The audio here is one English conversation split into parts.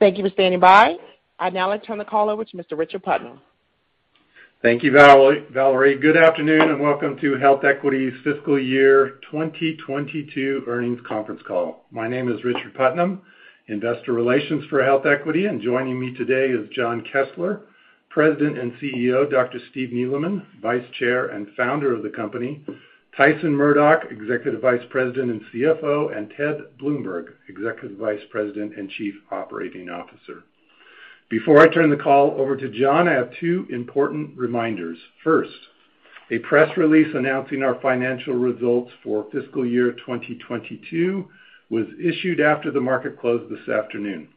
Thank you for standing by. I'd now like to turn the call over to Mr. Richard Putnam. Thank you, Valerie. Good afternoon, and welcome to HealthEquity's fiscal year 2022 earnings conference call. My name is Richard Putnam, investor relations for HealthEquity, and joining me today is Jon Kessler, President and Chief Executive Officer; Dr. Steve Neeleman, Vice Chair and founder of the company; Tyson Murdock, Executive Vice President and Chief Financial Officer; and Ted Bloomberg, Executive Vice President and Chief Operating Officer. Before I turn the call over to Jon, I have two important reminders. First, a press release announcing our financial results for fiscal year 2022 was issued after the market closed this afternoon.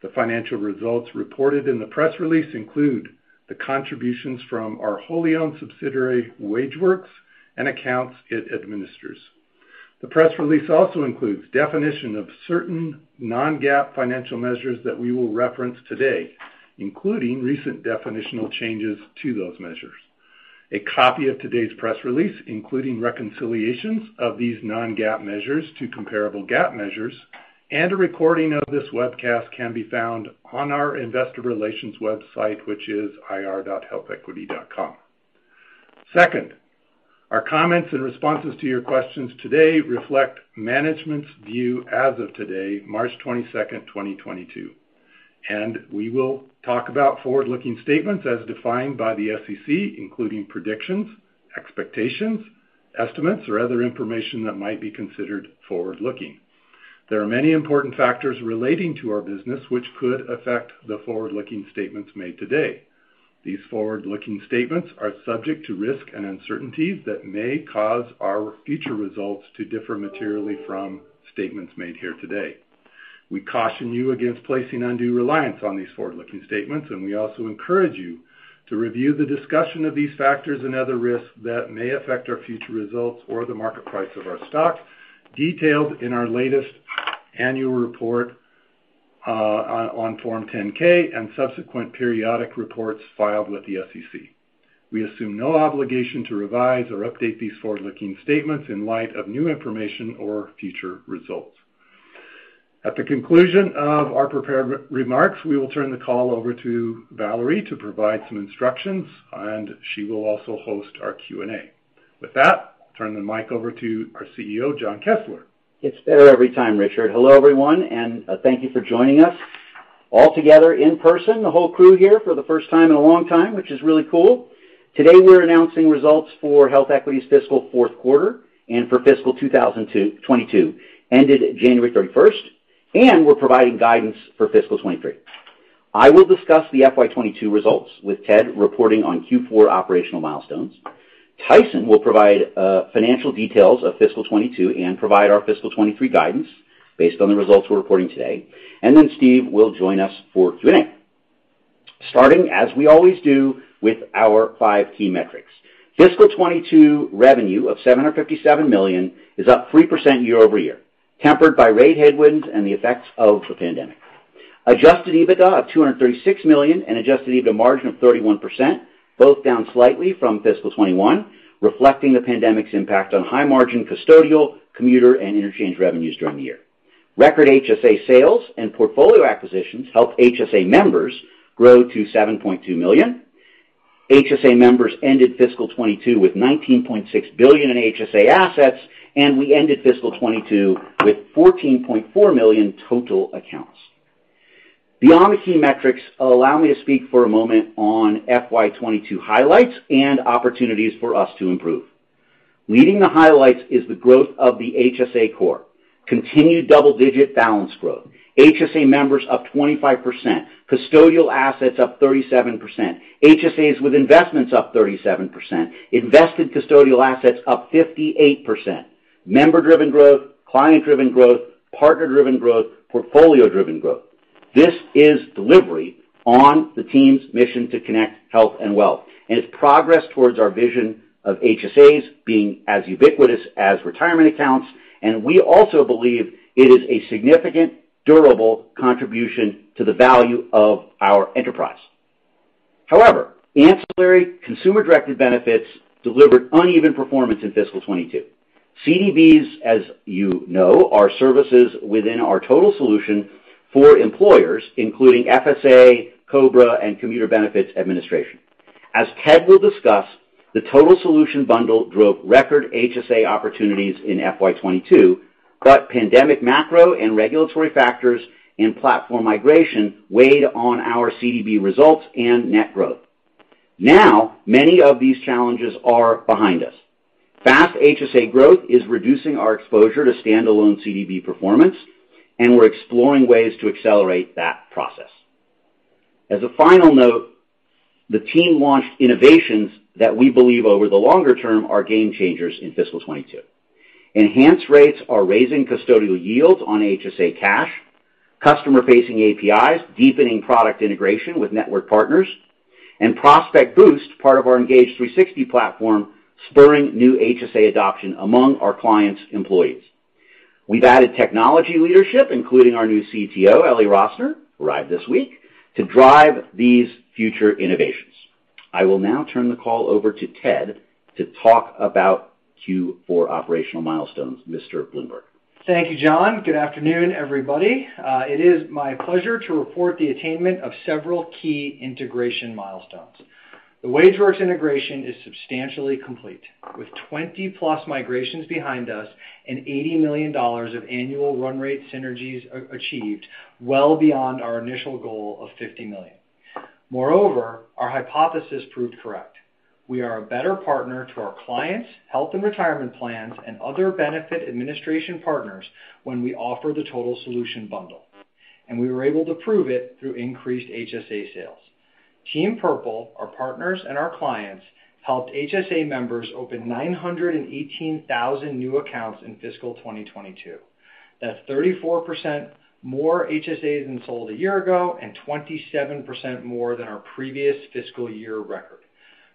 The financial results reported in the press release include the contributions from our wholly owned subsidiary, WageWorks, and accounts it administers. The press release also includes definition of certain Non-GAAP financial measures that we will reference today, including recent definitional changes to those measures. A copy of today's press release, including reconciliations of these Non-GAAP measures to comparable GAAP measures, and a recording of this webcast can be found on our investor relations website, which is ir.healthequity.com. Second, our comments and responses to your questions today reflect management's view as of today, March 22nd, 2022, and we will talk about forward-looking statements as defined by the SEC, including predictions, expectations, estimates, or other information that might be considered forward-looking. There are many important factors relating to our business which could affect the forward-looking statements made today. These forward-looking statements are subject to risk and uncertainties that may cause our future results to differ materially from statements made here today. We caution you against placing undue reliance on these forward-looking statements, and we also encourage you to review the discussion of these factors and other risks that may affect our future results or the market price of our stock, detailed in our latest annual report on Form 10-K and subsequent periodic reports filed with the SEC. We assume no obligation to revise or update these forward-looking statements in light of new information or future results. At the conclusion of our prepared remarks, we will turn the call over to Valerie to provide some instructions, and she will also host our Q&A. With that, turn the mic over to our Chief Executive Officer, Jon Kessler. Gets better every time, Richard. Hello, everyone, and thank you for joining us all together in person, the whole crew here for the first time in a long time, which is really cool. Today, we're announcing results for HealthEquity's fiscal fourth quarter and for fiscal 2022, ended January 31st, and we're providing guidance for fiscal 2023. I will discuss the FY 2022 results, with Ted reporting on Q4 operational milestones. Tyson will provide financial details of fiscal 2022 and provide our fiscal 2023 guidance based on the results we're reporting today. Then Steve will join us for Q&A. Starting, as we always do, with our five key metrics. Fiscal 2022 revenue of $757 million is up 3% year-over-year, tempered by rate headwinds and the effects of the pandemic. Adjusted EBITDA of $236 million and adjusted EBITDA margin of 31%, both down slightly from FY 2021, reflecting the pandemic's impact on high margin custodial, commuter, and interchange revenues during the year. Record HSA sales and portfolio acquisitions helped HSA members grow to 7.2 million. HSA members ended FY 2022 with $19.6 billion in HSA assets, and we ended FY 2022 with 14.4 million total accounts. Beyond the key metrics, allow me to speak for a moment on FY 2022 highlights and opportunities for us to improve. Leading the highlights is the growth of the HSA core. Continued double-digit balance growth. HSA members up 25%. Custodial assets up 37%. HSAs with investments up 37%. Invested custodial assets up 58%. Member-driven growth, client-driven growth, partner-driven growth, portfolio-driven growth. This is delivery on the team's mission to connect health and wealth, and it's progress towards our vision of HSAs being as ubiquitous as retirement accounts, and we also believe it is a significant, durable contribution to the value of our enterprise. However, ancillary consumer-directed benefits delivered uneven performance in fiscal 2022. CDBs, as you know, are services within our total solution for employers, including FSA, COBRA, and commuter benefits administration. As Ted will discuss, the total solution bundle drove record HSA opportunities in FY 2022, but pandemic macro and regulatory factors and platform migration weighed on our CDB results and net growth. Now, many of these challenges are behind us. Fast HSA growth is reducing our exposure to standalone CDB performance, and we're exploring ways to accelerate that process. As a final note, the team launched innovations that we believe over the longer term are game changers in fiscal 2022. Enhanced Rates are raising custodial yields on HSA cash, customer-facing APIs, deepening product integration with network partners, and Prospect Boost, part of our Engage 360 platform, spurring new HSA adoption among our clients' employees. We've added technology leadership, including our new Chief Technology Officer, Elimelech Rosner, arrived this week, to drive these future innovations. I will now turn the call over to Ted to talk about Q4 operational milestones. Mr. Bloomberg. Thank you, Jon. Good afternoon, everybody. It is my pleasure to report the attainment of several key integration milestones. The WageWorks integration is substantially complete, with 20+ migrations behind us and $80 million of annual run rate synergies achieved, well beyond our initial goal of $50 million. Moreover, our hypothesis proved correct. We are a better partner to our clients, health and retirement plans, and other benefit administration partners when we offer the total solution bundle. We were able to prove it through increased HSA sales. Team Purple, our partners, and our clients helped HSA members open 918,000 new accounts in fiscal 2022. That's 34% more HSAs than sold a year ago and 27% more than our previous fiscal year record.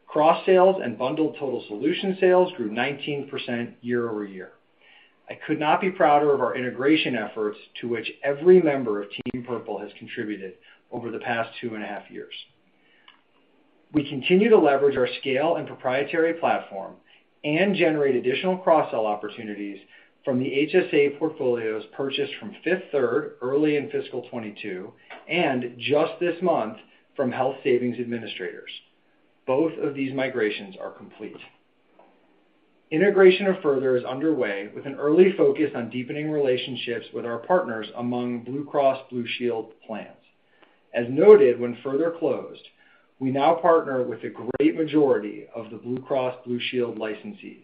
Cross-sales and bundled total solution sales grew 19% year-over-year. I could not be prouder of our integration efforts, to which every member of Team Purple has contributed over the past years. We continue to leverage our scale and proprietary platform and generate additional cross-sell opportunities from the HSA portfolios purchased from Fifth Third Bank early in fiscal 2022, and just this month, from Health Savings Administrators. Both of these migrations are complete. Integration of Further is underway with an early focus on deepening relationships with our partners among Blue Cross Blue Shield plans. As noted when Further closed, we now partner with a great majority of the Blue Cross Blue Shield licensees.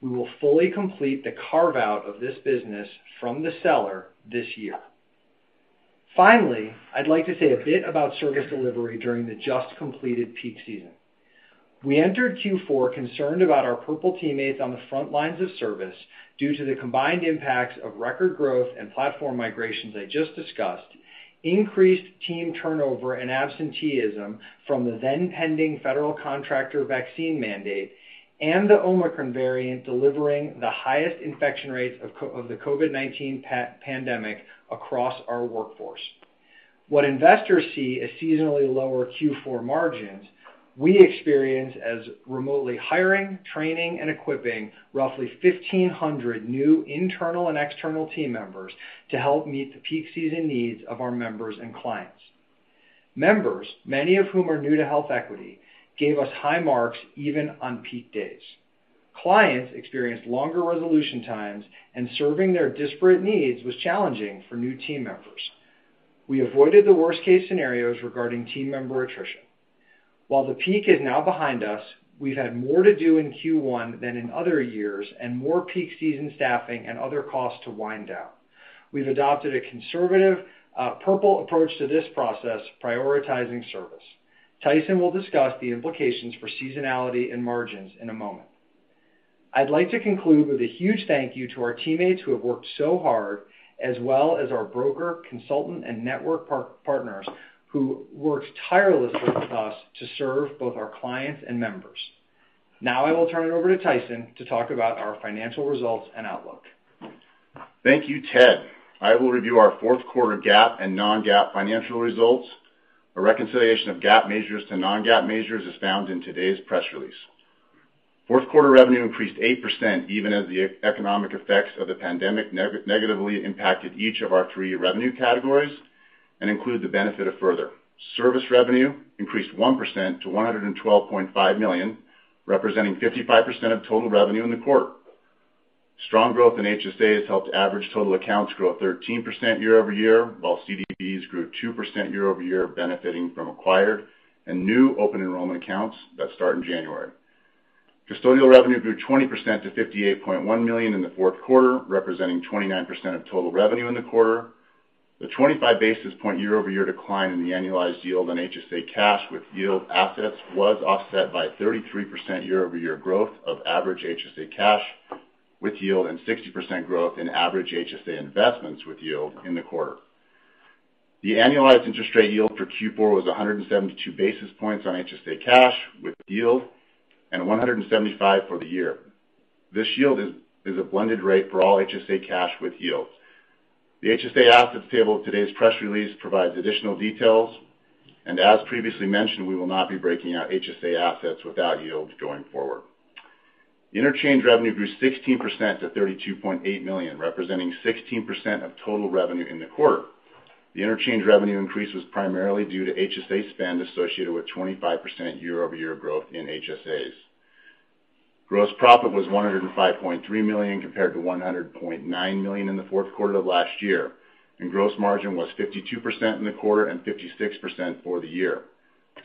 We will fully complete the carve-out of this business from the seller this year. Finally, I'd like to say a bit about service delivery during the just completed peak season. We entered Q4 concerned about our Purple teammates on the front lines of service due to the combined impacts of record growth and platform migrations I just discussed, increased team turnover and absenteeism from the then-pending federal contractor vaccine mandate, and the Omicron variant delivering the highest infection rates of the COVID-19 pandemic across our workforce. What investors see as seasonally lower Q4 margins, we experience as remotely hiring, training, and equipping roughly 1,500 new internal and external team members to help meet the peak season needs of our members and clients. Members, many of whom are new to HealthEquity, gave us high marks even on peak days. Clients experienced longer resolution times, and serving their disparate needs was challenging for new team members. We avoided the worst-case scenarios regarding team member attrition. While the peak is now behind us, we've had more to do in Q1 than in other years, and more peak season staffing and other costs to wind down. We've adopted a conservative, Purple approach to this process, prioritizing service. Tyson will discuss the implications for seasonality and margins in a moment. I'd like to conclude with a huge thank you to our teammates who have worked so hard, as well as our broker, consultant, and network partners who worked tirelessly with us to serve both our clients and members. Now I will turn it over to Tyson to talk about our financial results and outlook. Thank you, Ted. I will review our fourth quarter GAAP and Non-GAAP financial results. A reconciliation of GAAP measures to Non-GAAP measures is found in today's press release. Fourth quarter revenue increased 8% even as the economic effects of the pandemic negatively impacted each of our three revenue categories and include the benefit of Further. Service revenue increased 1% to $112.5 million, representing 55% of total revenue in the quarter. Strong growth in HSAs helped average total accounts grow 13% year-over-year, while CDBs grew 2% year-over-year, benefiting from acquired and new open enrollment accounts that start in January. Custodial revenue grew 20% to $58.1 million in the fourth quarter, representing 29% of total revenue in the quarter. The 25 basis point year-over-year decline in the annualized yield on HSA cash with yield assets was offset by 33% year-over-year growth of average HSA cash with yield and 60% growth in average HSA investments with yield in the quarter. The annualized interest rate yield for Q4 was 172 basis points on HSA cash with yield and 175 for the year. This yield is a blended rate for all HSA cash with yields. The HSA assets table in today's press release provides additional details. As previously mentioned, we will not be breaking out HSA assets without yield going forward. Interchange revenue grew 16% to $32.8 million, representing 16% of total revenue in the quarter. The interchange revenue increase was primarily due to HSA spend associated with 25% year-over-year growth in HSAs. Gross profit was $105.3 million, compared to $100.9 million in the fourth quarter of last year, and gross margin was 52% in the quarter and 56% for the year.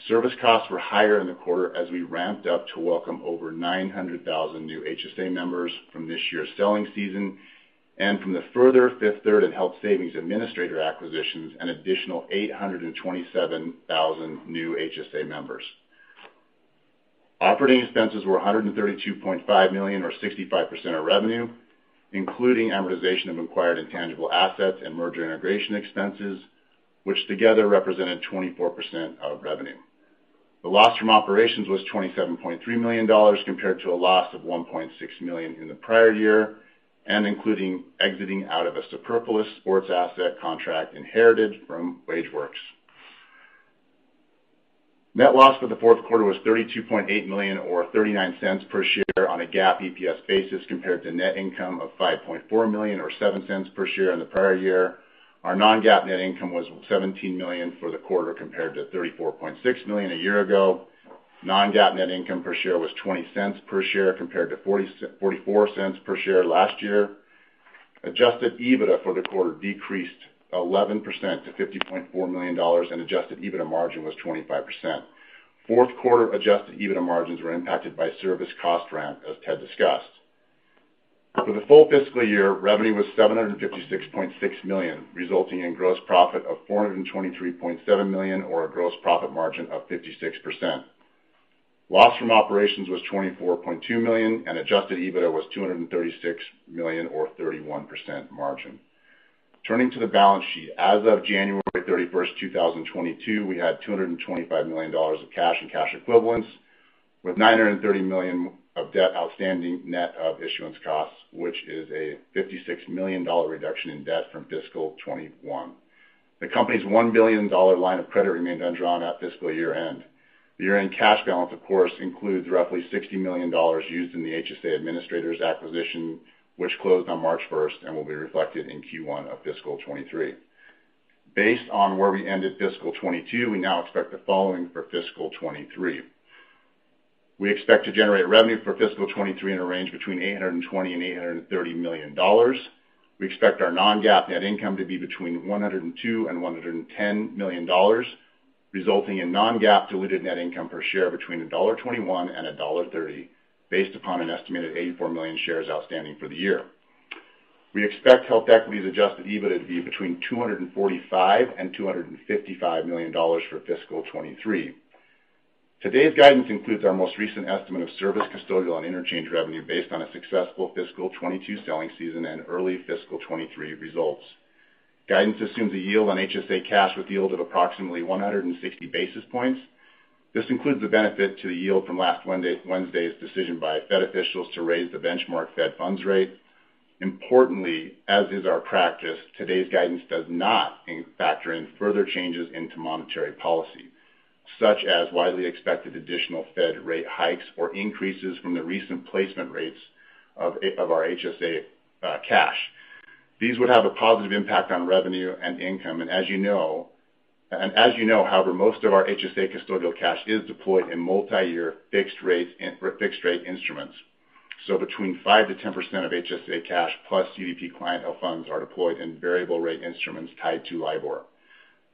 Service costs were higher in the quarter as we ramped up to welcome over 900,000 new HSA members from this year's selling season, and from the Further, Fifth Third, and Health Savings Administrators acquisitions, an additional 827,000 new HSA members. Operating expenses were $132.5 million, or 65% of revenue, including amortization of acquired intangible assets and merger integration expenses, which together represented 24% of revenue. The loss from operations was $27.3 million, compared to a loss of $1.6 million in the prior year, including exiting out of a superfluous sports asset contract inherited from WageWorks. Net loss for the fourth quarter was $32.8 million, or $0.39 per share on a GAAP EPS basis, compared to net income of $5.4 million or $0.07 per share in the prior year. Our Non-GAAP net income was $17 million for the quarter, compared to $34.6 million a year ago. Non-GAAP net income per share was $0.20 per share, compared to $0.44 Per share last year. Adjusted EBITDA for the quarter decreased 11% to $50.4 million, and adjusted EBITDA margin was 25%. Fourth quarter adjusted EBITDA margins were impacted by service cost ramp, as Ted discussed. For the full fiscal year, revenue was $756.6 million, resulting in gross profit of $423.7 million or a gross profit margin of 56%. Loss from operations was $24.2 million, and adjusted EBITDA was $236 million, or 31% margin. Turning to the balance sheet. As of January 31st, 2022, we had $225 million of cash and cash equivalents, with $930 million of debt outstanding net of issuance costs, which is a $56 million reduction in debt from fiscal 2021. The company's $1 billion line of credit remained undrawn at fiscal year-end. The year-end cash balance, of course, includes roughly $60 million used in the Health Savings Administrators acquisition, which closed on March 1st and will be reflected in Q1 of fiscal 2023. Based on where we ended fiscal 2022, we now expect the following for fiscal 2023. We expect to generate revenue for fiscal 2023 in a range between $820 million and $830 million. We expect our Non-GAAP net income to be between $102 million and $110 million, resulting in Non-GAAP diluted net income per share between $1.21 and $1.30, based upon an estimated 84 million shares outstanding for the year. We expect HealthEquity's adjusted EBITDA to be between $245 million and $255 million for fiscal 2023. Today's guidance includes our most recent estimate of service, custodial, and interchange revenue based on a successful fiscal 2022 selling season and early fiscal 2023 results. Guidance assumes a yield on HSA cash with yield of approximately 160 basis points. This includes the benefit to the yield from Wednesday's decision by Fed officials to raise the benchmark Fed funds rate. Importantly, as is our practice, today's guidance does not factor in further changes into monetary policy, such as widely expected additional Fed rate hikes or increases from the recent placement rates of our HSA cash. These would have a positive impact on revenue and income. As you know, however, most of our HSA custodial cash is deployed in multiyear fixed rates or fixed rate instruments. Between 5%-10% of HSA cash plus CDB client health funds are deployed in variable rate instruments tied to LIBOR.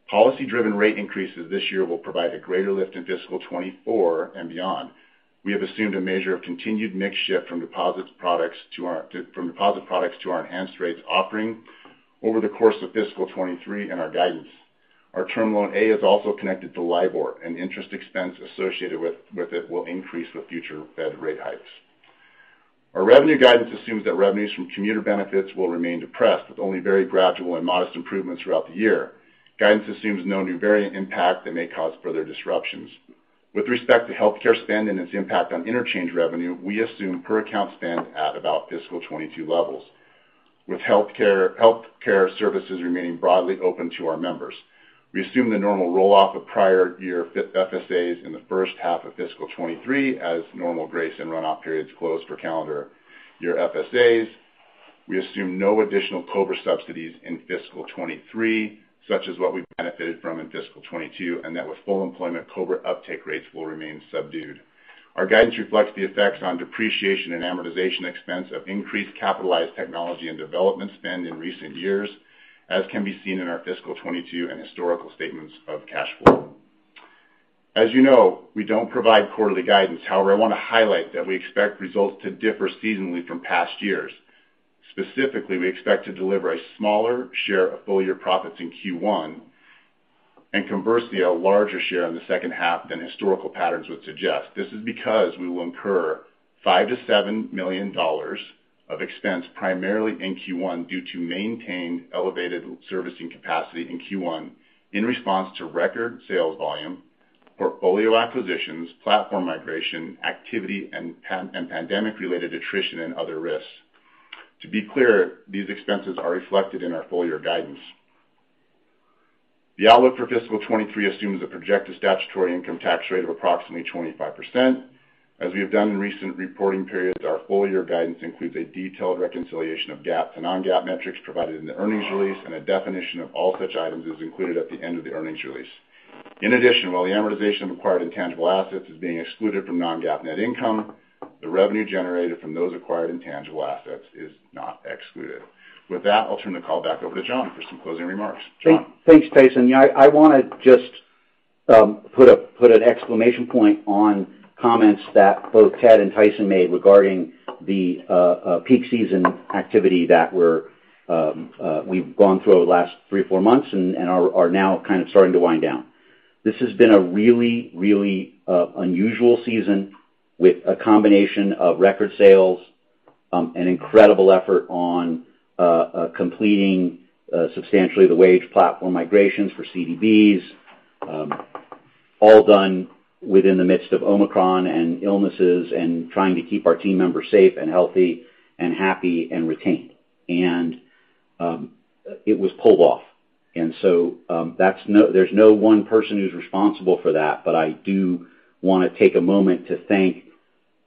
Policy-driven rate increases this year will provide a greater lift in fiscal 2024 and beyond. We have assumed a measure of continued mix shift from deposit products to our Enhanced Rates offering over the course of fiscal 2023 and our guidance. Our term loan A is also connected to LIBOR, and interest expense associated with it will increase with future Fed rate hikes. Our revenue guidance assumes that revenues from commuter benefits will remain depressed, with only very gradual and modest improvements throughout the year. Guidance assumes no new variant impact that may cause further disruptions. With respect to healthcare spend and its impact on interchange revenue, we assume per account spend at about fiscal 2022 levels, with healthcare services remaining broadly open to our members. We assume the normal roll-off of prior year FSAs in the first half of fiscal 2023 as normal grace and runoff periods close for calendar year Flexible Spending Accounts. We assume no additional COBRA subsidies in fiscal 2023, such as what we benefited from in fiscal 2022, and that with full employment, COBRA uptake rates will remain subdued. Our guidance reflects the effects on depreciation and amortization expense of increased capitalized technology and development spend in recent years, as can be seen in our fiscal 2022 and historical statements of cash flow. As you know, we don't provide quarterly guidance. However, I wanna highlight that we expect results to differ seasonally from past years. Specifically, we expect to deliver a smaller share of full-year profits in Q1, and conversely, a larger share in the second half than historical patterns would suggest. This is because we will incur $5 million-$7 million of expense primarily in Q1 due to maintained elevated servicing capacity in Q1 in response to record sales volume, portfolio acquisitions, platform migration, activity, and pandemic-related attrition and other risks. To be clear, these expenses are reflected in our full year guidance. The outlook for fiscal 2023 assumes a projected statutory income tax rate of approximately 25%. As we have done in recent reporting periods, our full year guidance includes a detailed reconciliation of GAAP to Non-GAAP metrics provided in the earnings release, and a definition of all such items is included at the end of the earnings release. In addition, while the amortization of acquired intangible assets is being excluded from Non-GAAP net income, the revenue generated from those acquired intangible assets is not excluded. With that, I'll turn the call back over to Jon for some closing remarks. Jon? Thanks, Tyson. Yeah, I wanna just put an exclamation point on comments that both Ted and Tyson made regarding the peak season activity that we've gone through over the last three or four months and are now kind of starting to wind down. This has been a really unusual season with a combination of record sales, an incredible effort on completing substantially the WageWorks platform migrations for CDBs. All done within the midst of Omicron and illnesses and trying to keep our team members safe and healthy and happy and retained. It was pulled off. That's no one person who's responsible for that, but I do wanna take a moment to thank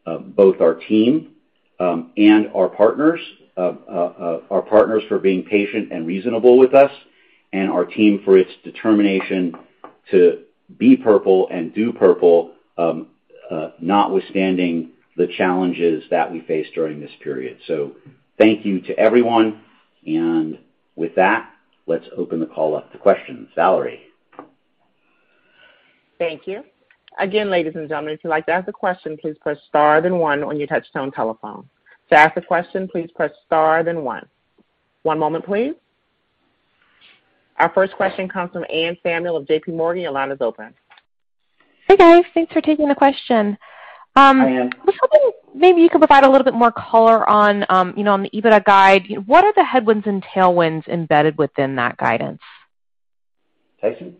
both our team and our partners. Thank you to our partners for being patient and reasonable with us and our team for its determination to be Purple and do Purple, notwithstanding the challenges that we faced during this period. Thank you to everyone. With that, let's open the call up to questions. Valerie. Our first question comes from Anne Samuel of JPMorgan. Your line is open. Hey, guys. Thanks for taking the question. Hi, Anne. I was hoping maybe you could provide a little bit more color on, you know, on the EBITDA guide. What are the headwinds and tailwinds embedded within that guidance? Tyson?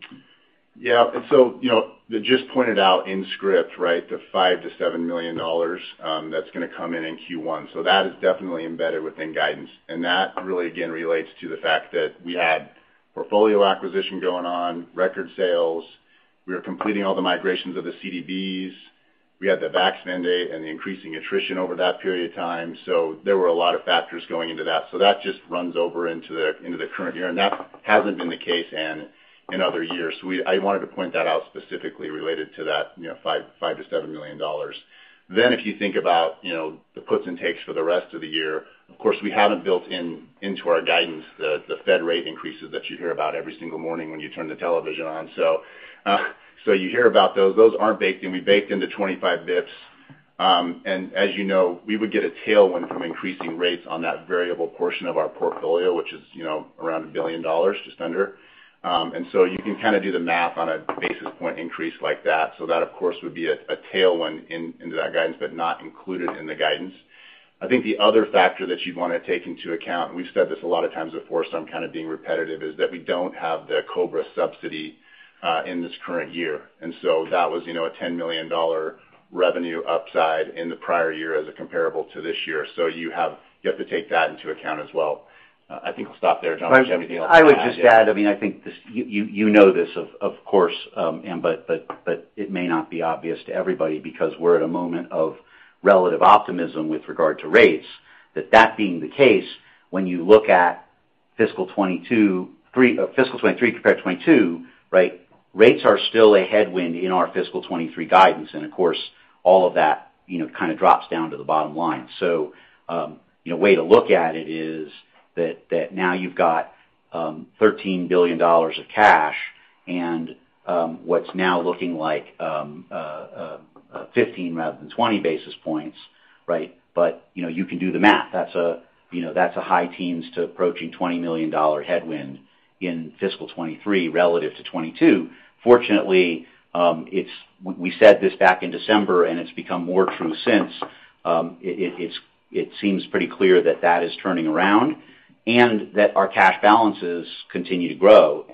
Yeah. You know, just pointed out in script, right, the $5 million-$7 million that's gonna come in in Q1. That is definitely embedded within guidance, and that really, again, relates to the fact that we had portfolio acquisition going on, record sales. We were completing all the migrations of the CDBs. We had the vax mandate and the increasing attrition over that period of time. There were a lot of factors going into that. That just runs over into the current year, and that hasn't been the case, Anne, in other years. I wanted to point that out specifically related to that, you know, $5 million-$7 million. If you think about, you know, the puts and takes for the rest of the year, of course, we haven't built in our guidance the Fed rate increases that you hear about every single morning when you turn the television on. So you hear about those. Those aren't baked in. We baked in the 25 basis points. And as you know, we would get a tailwind from increasing rates on that variable portion of our portfolio, which is, you know, around $1 billion, just under. And so you can kind of do the math on a basis point increase like that. So that, of course, would be a tailwind into that guidance, but not included in the guidance. I think the other factor that you'd wanna take into account, and we've said this a lot of times before, so I'm kind of being repetitive, is that we don't have the COBRA subsidy in this current year. That was a $10 million revenue upside in the prior year as a comparable to this year. You have to take that into account as well. I think I'll stop there, Jon. Do you have anything else to add? Yeah. I would just add, I mean, I think this. You know this of course, Anne, but it may not be obvious to everybody because we're at a moment of relative optimism with regard to rates. That being the case, when you look at fiscal 2022-23, fiscal 2023 compared to 2022, right? Rates are still a headwind in our fiscal 2023 guidance. Of course, all of that, you know, kind of drops down to the bottom line. You know, way to look at it is that now you've got $13 billion of cash and what's now looking like 15 basis points rather than 20 basis points, right? You know, you can do the math. That's, you know, a high teens to approaching $20 million headwind in fiscal 2023 relative to 2022. Fortunately, we said this back in December, and it's become more true since. It seems pretty clear that that is turning around and that our cash balances continue to grow.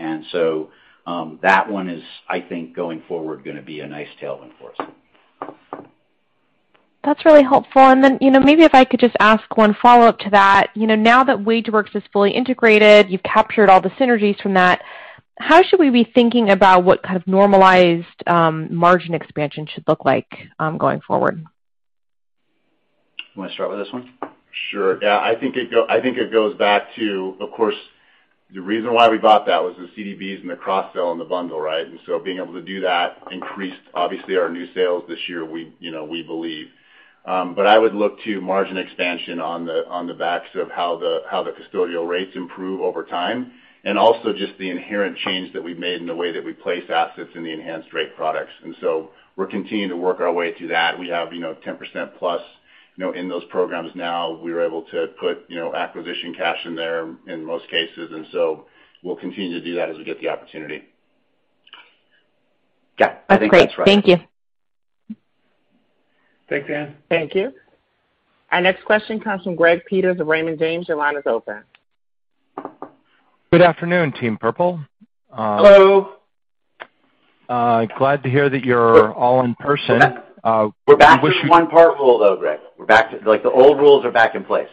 That one is, I think, going forward, gonna be a nice tailwind for us. That's really helpful. Then, you know, maybe if I could just ask one follow-up to that. You know, now that WageWorks is fully integrated, you've captured all the synergies from that, how should we be thinking about what kind of normalized margin expansion should look like, going forward? You wanna start with this one? Sure. Yeah. I think it goes back to, of course, the reason why we bought that was the CDBs and the cross-sell and the bundle, right? Being able to do that increased, obviously, our new sales this year, we, you know, believe. But I would look to margin expansion on the backs of how the custodial rates improve over time and also just the inherent change that we've made in the way that we place assets in the Enhanced Rates products. We're continuing to work our way through that. We have, you know, 10%+, you know, in those programs now. We were able to put, you know, acquisition cash in there in most cases. We'll continue to do that as we get the opportunity. Yeah, I think that's right. That's great. Thank you. Thanks, Anne. Thank you. Our next question comes from Greg Peters of Raymond James. Your line is open. Good afternoon, Team Purple. Hello. Glad to hear that you're all in person. We wish you We're back to the one-part rule, though, Greg. We're back to, like, the old rules are back in place.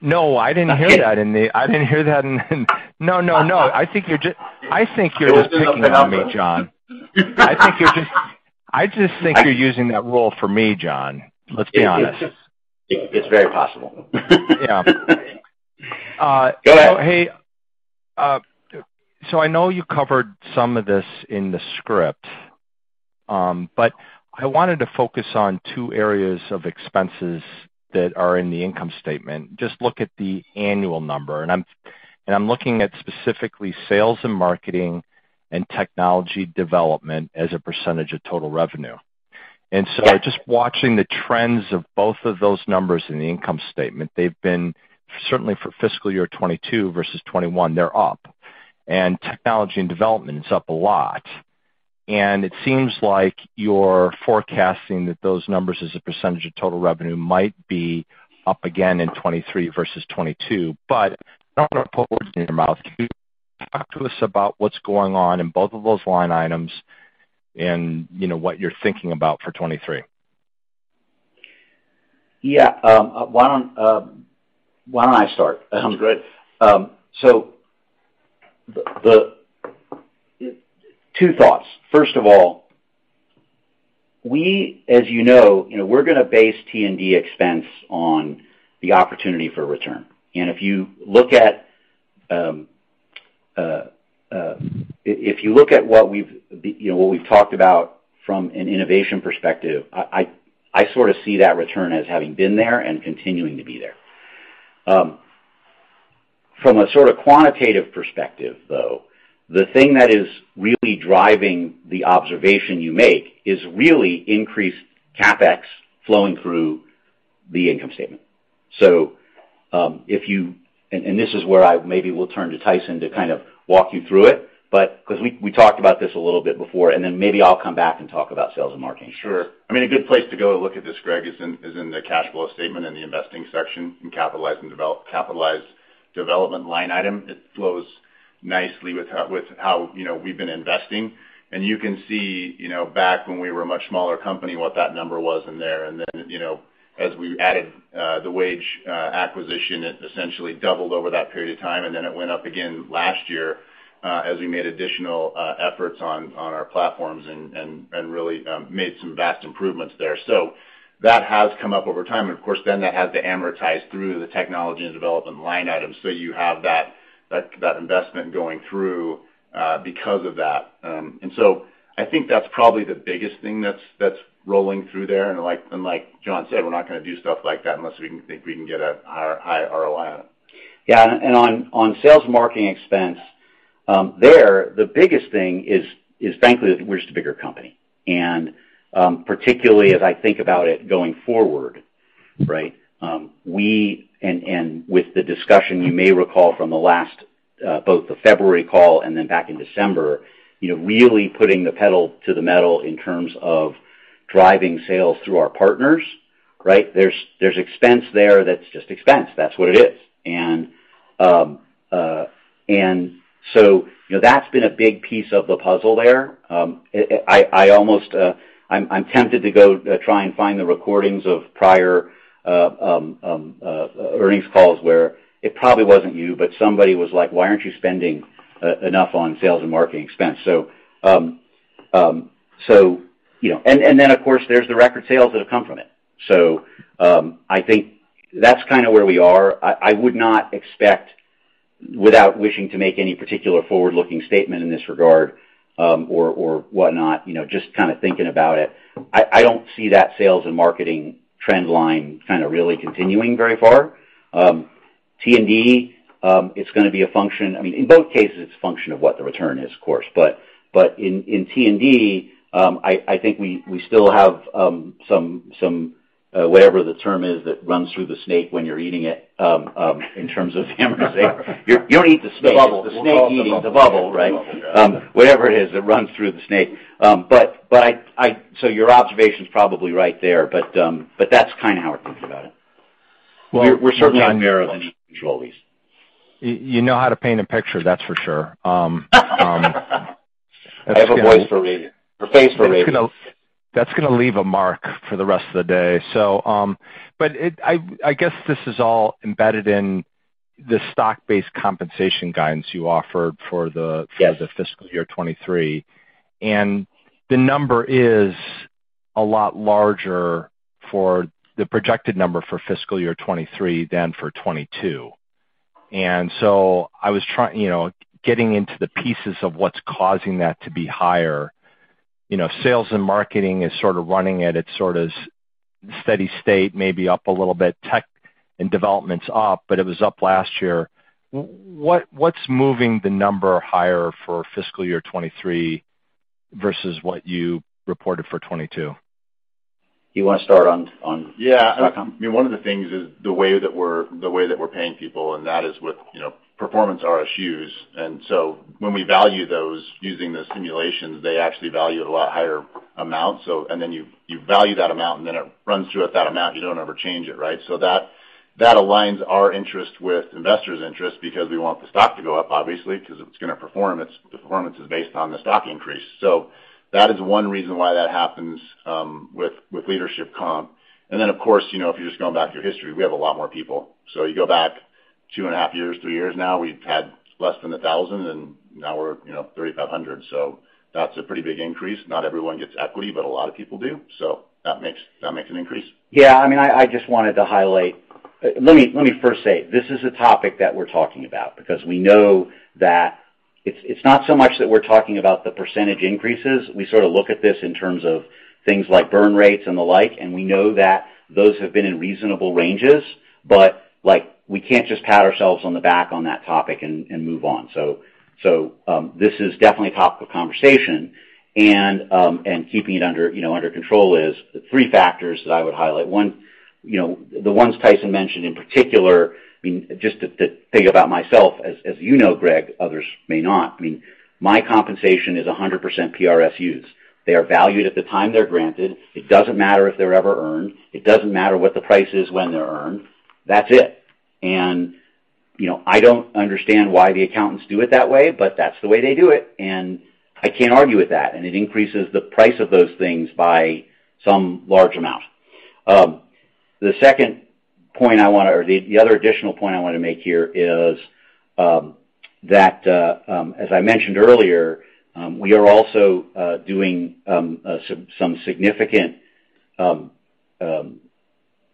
No, I didn't hear that in the. I'm kidding. No, no. I think you're just. It was an open office. I think you're messing with me, Jon. I just think you're using that rule for me, Jon, let's be honest. It's very possible. Yeah. Go ahead. I know you covered some of this in the script, but I wanted to focus on two areas of expenses that are in the income statement. Just look at the annual number, and I'm looking at specifically sales and marketing and technology development as a percentage of total revenue. Yeah Just watching the trends of both of those numbers in the income statement, they've been certainly up for fiscal year 2022 versus 2021. Technology and development is up a lot. It seems like you're forecasting that those numbers as a percentage of total revenue might be up again in 2023 versus 2022. I don't wanna put words in your mouth. Can you talk to us about what's going on in both of those line items and, you know, what you're thinking about for 2023? Yeah. Why don't I start? That's great. Two thoughts. First of all, as you know, you know, we're gonna base T&D expense on the opportunity for return. If you look at what we've talked about from an innovation perspective, I sort of see that return as having been there and continuing to be there. From a sort of quantitative perspective, though, the thing that is really driving the observation you make is really increased CapEx flowing through the income statement. This is where I maybe will turn to Tyson to kind of walk you through it, 'cause we talked about this a little bit before, and then maybe I'll come back and talk about sales and marketing. Sure. I mean, a good place to go to look at this, Greg, is in the cash flow statement in the investing section in capitalized development line item. It flows nicely with how you know we've been investing. You can see, you know, back when we were a much smaller company, what that number was in there. Then, you know, as we added the WageWorks acquisition, it essentially doubled over that period of time, and then it went up again last year as we made additional efforts on our platforms and really made some vast improvements there. That has come up over time. Of course, then that had to amortize through the technology and development line items, so you have that investment going through because of that. I think that's probably the biggest thing that's rolling through there. Like Jon said, we're not gonna do stuff like that unless we can think we can get a higher ROI on it. Yeah. On sales and marketing expense, the biggest thing is frankly that we're just a bigger company. Particularly as I think about it going forward, right? With the discussion, you may recall from the last both the February call and then back in December, you know, really putting the pedal to the metal in terms of driving sales through our partners, right? There's expense there that's just expense. That's what it is. You know, that's been a big piece of the puzzle there. I'm almost tempted to go try and find the recordings of prior earnings calls where it probably wasn't you, but somebody was like, "Why aren't you spending enough on sales and marketing expense?" You know. Of course, there's the record sales that have come from it. I think that's kinda where we are. I would not expect, without wishing to make any particular forward-looking statement in this regard, or whatnot, you know, just kinda thinking about it, I don't see that sales and marketing trend line kinda really continuing very far. T&D, it's gonna be a function. I mean, in both cases, it's a function of what the return is, of course. But in T&D, I think we still have some whatever the term is that runs through the snake when you're eating it in terms of the amortizing. You don't eat the snake. The bubble. It's the snake eating the- The bubble. Right. Whatever it is that runs through the snake. Your observation's probably right there, but that's kinda how we're thinking about it. We're certainly not- Well, you're not married to any control, at least. You know how to paint a picture, that's for sure. I have a voice for radio or face for radio. That's gonna leave a mark for the rest of the day. I guess this is all embedded in the stock-based compensation guidance you offered for the- Yes For the fiscal year 2023. The number is a lot larger for the projected number for fiscal year 2023 than for 2022. I was, you know, getting into the pieces of what's causing that to be higher. You know, sales and marketing is sort of running at its sort of steady state, maybe up a little bit. Tech and development's up, but it was up last year. What's moving the number higher for fiscal year 2023 versus what you reported for 2022? You wanna start on Yeah. Comp? I mean, one of the things is the way that we're paying people, and that is with, you know, performance RSUs. When we value those using the simulations, they actually value a lot higher amount. You value that amount, and then it runs through at that amount. You don't ever change it, right? That aligns our interest with investors' interest because we want the stock to go up, obviously, 'cause it's gonna perform. Its performance is based on the stock increase. That is one reason why that happens with leadership comp and of course, you know, if you're just going back through history, we have a lot more people. You go back 2.5 years, three years now, we've had less than 1,000 people, and now we're, you know, 3,500 people. That's a pretty big increase. Not everyone gets equity, but a lot of people do. That makes an increase. Yeah. I mean, I just wanted to highlight. Let me first say, this is a topic that we're talking about because we know that it's not so much that we're talking about the percentage increases. We sort of look at this in terms of things like burn rates and the like, and we know that those have been in reasonable ranges. Like, we can't just pat ourselves on the back on that topic and move on. This is definitely a topic of conversation. Keeping it under, you know, under control is the three factors that I would highlight. One, you know, the ones Tyson mentioned in particular, I mean, just to think about myself, as you know, Greg, others may not, I mean, my compensation is 100% PRSU. They are valued at the time they're granted. It doesn't matter if they're ever earned. It doesn't matter what the price is when they're earned. That's it. You know, I don't understand why the accountants do it that way, but that's the way they do it, and I can't argue with that. It increases the price of those things by some large amount. The other additional point I want to make here is that, as I mentioned earlier, we are also doing some significant,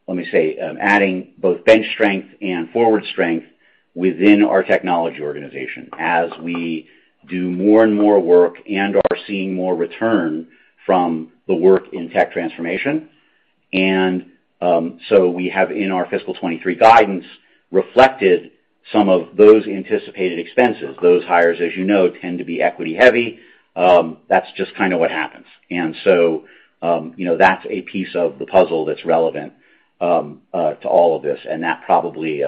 let me say, adding both bench strength and forward strength within our technology organization as we do more and more work and are seeing more return from the work in tech transformation. We have in our fiscal 2023 guidance reflected some of those anticipated expenses. Those hires, as you know, tend to be equity heavy, that's just kinda what happens. You know, that's a piece of the puzzle that's relevant to all of this, and that probably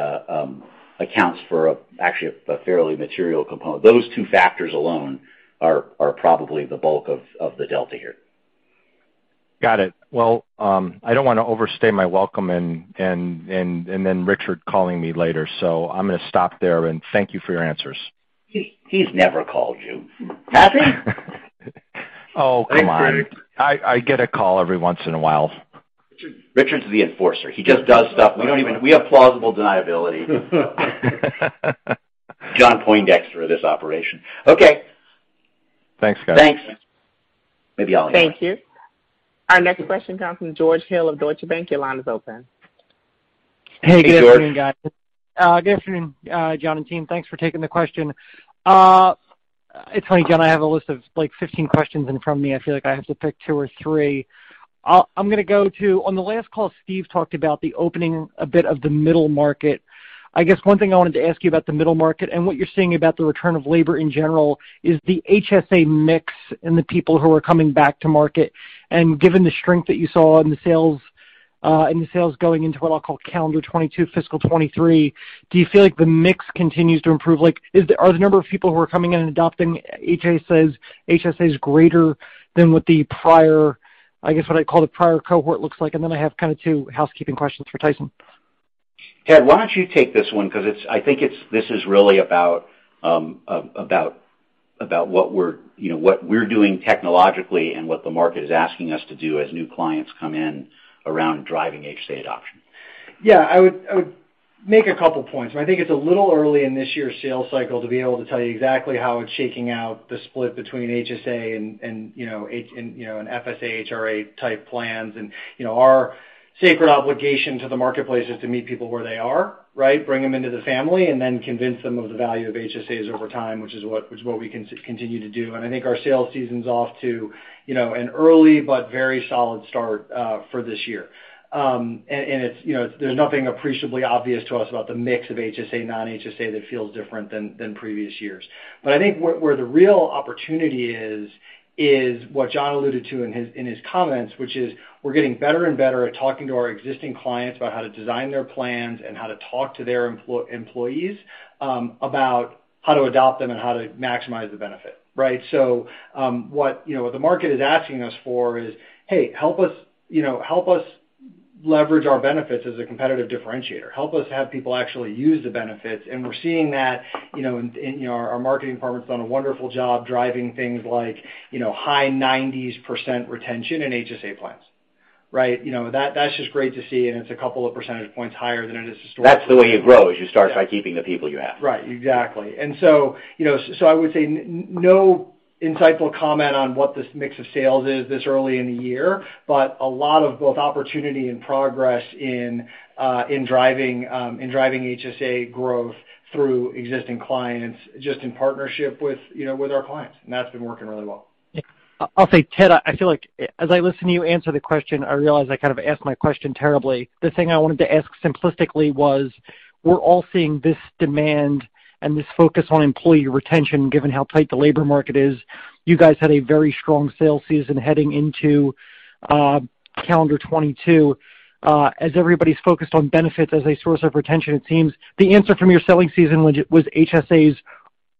accounts for, actually, a fairly material component. Those two factors alone are probably the bulk of the delta here. Got it. Well, I don't wanna overstay my welcome and then Richard calling me later, so I'm gonna stop there, and thank you for your answers. He, he's never called you. Has he? Oh, come on. Thanks, Greg. I get a call every once in a while. Richard's the enforcer. He just does stuff. We have plausible deniability, Jon Poindexter of this operation. Okay. Thanks, guys. Thanks. Maybe I'll call him. Thank you. Our next question comes from George Hill of Deutsche Bank. Your line is open. Hey, George. Hey, good afternoon, guys. Good afternoon, Jon and team. Thanks for taking the question. It's funny, Jon. I have a list of, like, 15 questions in front of me. I feel like I have to pick two or three. I'm gonna go to, on the last call, Steve talked about the opening a bit of the middle market. I guess one thing I wanted to ask you about the middle market and what you're seeing about the return of labor in general is the HSA mix and the people who are coming back to market. Given the strength that you saw in the sales in the sales going into what I'll call calendar 2022, fiscal 2023, do you feel like the mix continues to improve? Like, are the number of people who are coming in and adopting HSAs greater than what the prior, I guess, what I'd call the prior cohort looks like? I have kinda two housekeeping questions for Tyson. Ted, why don't you take this one? 'Cause I think this is really about what we're, you know, doing technologically and what the market is asking us to do as new clients come in around driving HSA adoption. Yeah. I would make a couple points. I think it's a little early in this year's sales cycle to be able to tell you exactly how it's shaking out, the split between HSA and, you know, FSA, HRA-type plans. You know, our sacred obligation to the marketplace is to meet people where they are, right? Bring them into the family, and then convince them of the value of HSAs over time, which is what we continue to do. I think our sales season's off to, you know, an early but very solid start for this year. It's, you know, there's nothing appreciably obvious to us about the mix of HSA, non-HSA that feels different than previous years. I think where the real opportunity is what Jon alluded to in his comments, which is we're getting better and better at talking to our existing clients about how to design their plans and how to talk to their employees about how to adopt them and how to maximize the benefit, right? What, you know, what the market is asking us for is, "Hey, help us, you know, help us leverage our benefits as a competitive differentiator. Help us have people actually use the benefits." We're seeing that, you know, in our marketing department's done a wonderful job driving things like, you know, high 90s% retention in HSA plans, right? You know, that's just great to see, and it's a couple of percentage points higher than it is historically. That's the way you grow, is you start by keeping the people you have. Right. Exactly. You know, I would say no insightful comment on what this mix of sales is this early in the year, but a lot of both opportunity and progress in driving HSA growth through existing clients, just in partnership with our clients, and that's been working really well. Yeah. I'll say, Ted, I feel like, as I listen to you answer the question, I realize I kind of asked my question terribly. The thing I wanted to ask simplistically was, we're all seeing this demand and this focus on employee retention given how tight the labor market is. You guys had a very strong sales season heading into calendar 2022. As everybody's focused on benefits as a source of retention, it seems the answer from your selling season was HSAs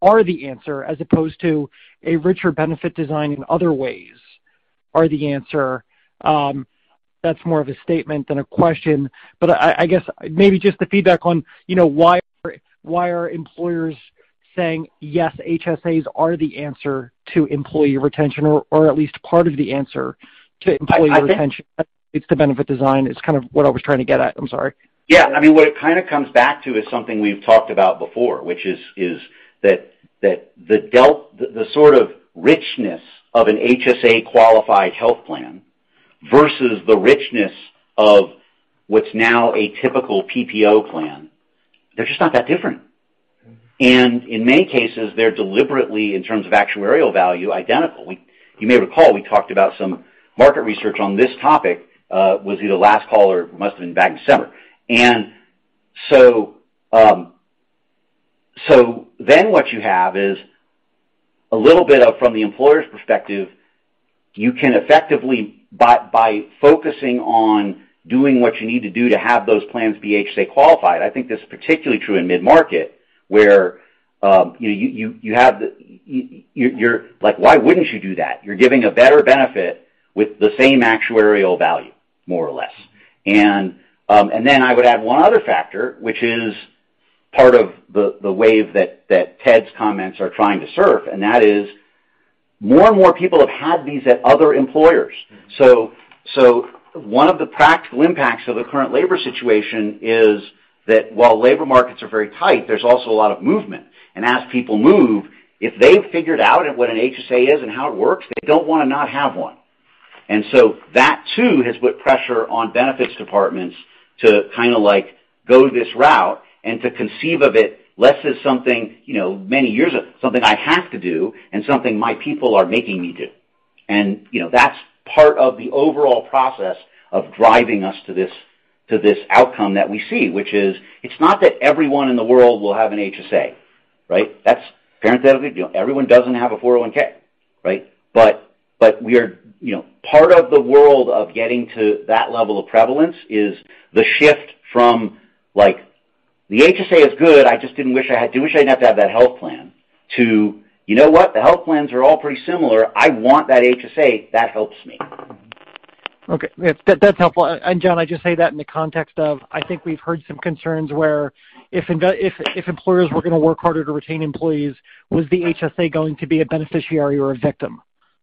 are the answer as opposed to a richer benefit design in other ways are the answer. That's more of a statement than a question. I guess maybe just the feedback on, you know, why are employers saying, yes, HSAs are the answer to employee retention or at least part of the answer to employee retention? It's the benefit design is kind of what I was trying to get at. I'm sorry. Yeah. I mean, what it kind of comes back to is something we've talked about before, which is that the delta, the sort of richness of an HSA-qualified health plan versus the richness of what's now a typical PPO plan, they're just not that different. In many cases, they're deliberately, in terms of actuarial value, identical. You may recall, we talked about some market research on this topic that was either last call or must've been back in December. Then what you have is a little bit of, from the employer's perspective, you can effectively by focusing on doing what you need to do to have those plans be HSA qualified. I think that's particularly true in mid-market, where you're like, why wouldn't you do that? You're giving a better benefit with the same actuarial value, more or less. Then I would add one other factor, which is part of the wave that Ted's comments are trying to surf, and that is more and more people have had these at other employers. One of the practical impacts of the current labor situation is that while labor markets are very tight, there's also a lot of movement. As people move, if they've figured out what an HSA is and how it works, they don't wanna not have one. That too has put pressure on benefits departments to kinda like go this route and to conceive of it less as something, you know, many years of, something I have to do and something my people are making me do. You know, that's part of the overall process of driving us to this outcome that we see, which is it's not that everyone in the world will have an HSA, right? That's parenthetically, everyone doesn't have a 401(k), right? But we are, you know, part of the world of getting to that level of prevalence is the shift from like, the HSA is good, I do wish I didn't have to have that health plan, to you know what? The health plans are all pretty similar. I want that HSA. That helps me. Okay. That, that's helpful. Jon, I just say that in the context of, I think we've heard some concerns where if employers were gonna work harder to retain employees, was the HSA going to be a beneficiary or a victim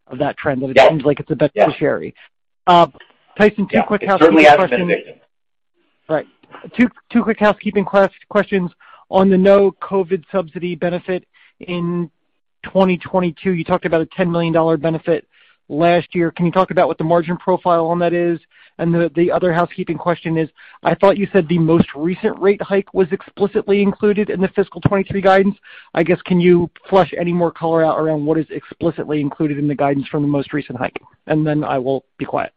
of that trend? Yeah. It seems like it's a beneficiary. Yeah. Tyson, two quick housekeeping questions. It certainly has been a victim. Right. Two quick housekeeping questions. On the non-COVID subsidy benefit in 2022, you talked about a $10 million benefit last year. Can you talk about what the margin profile on that is? The other housekeeping question is, I thought you said the most recent rate hike was explicitly included in the fiscal 2023 guidance. I guess, can you flesh any more color out around what is explicitly included in the guidance from the most recent hike? I will be quiet.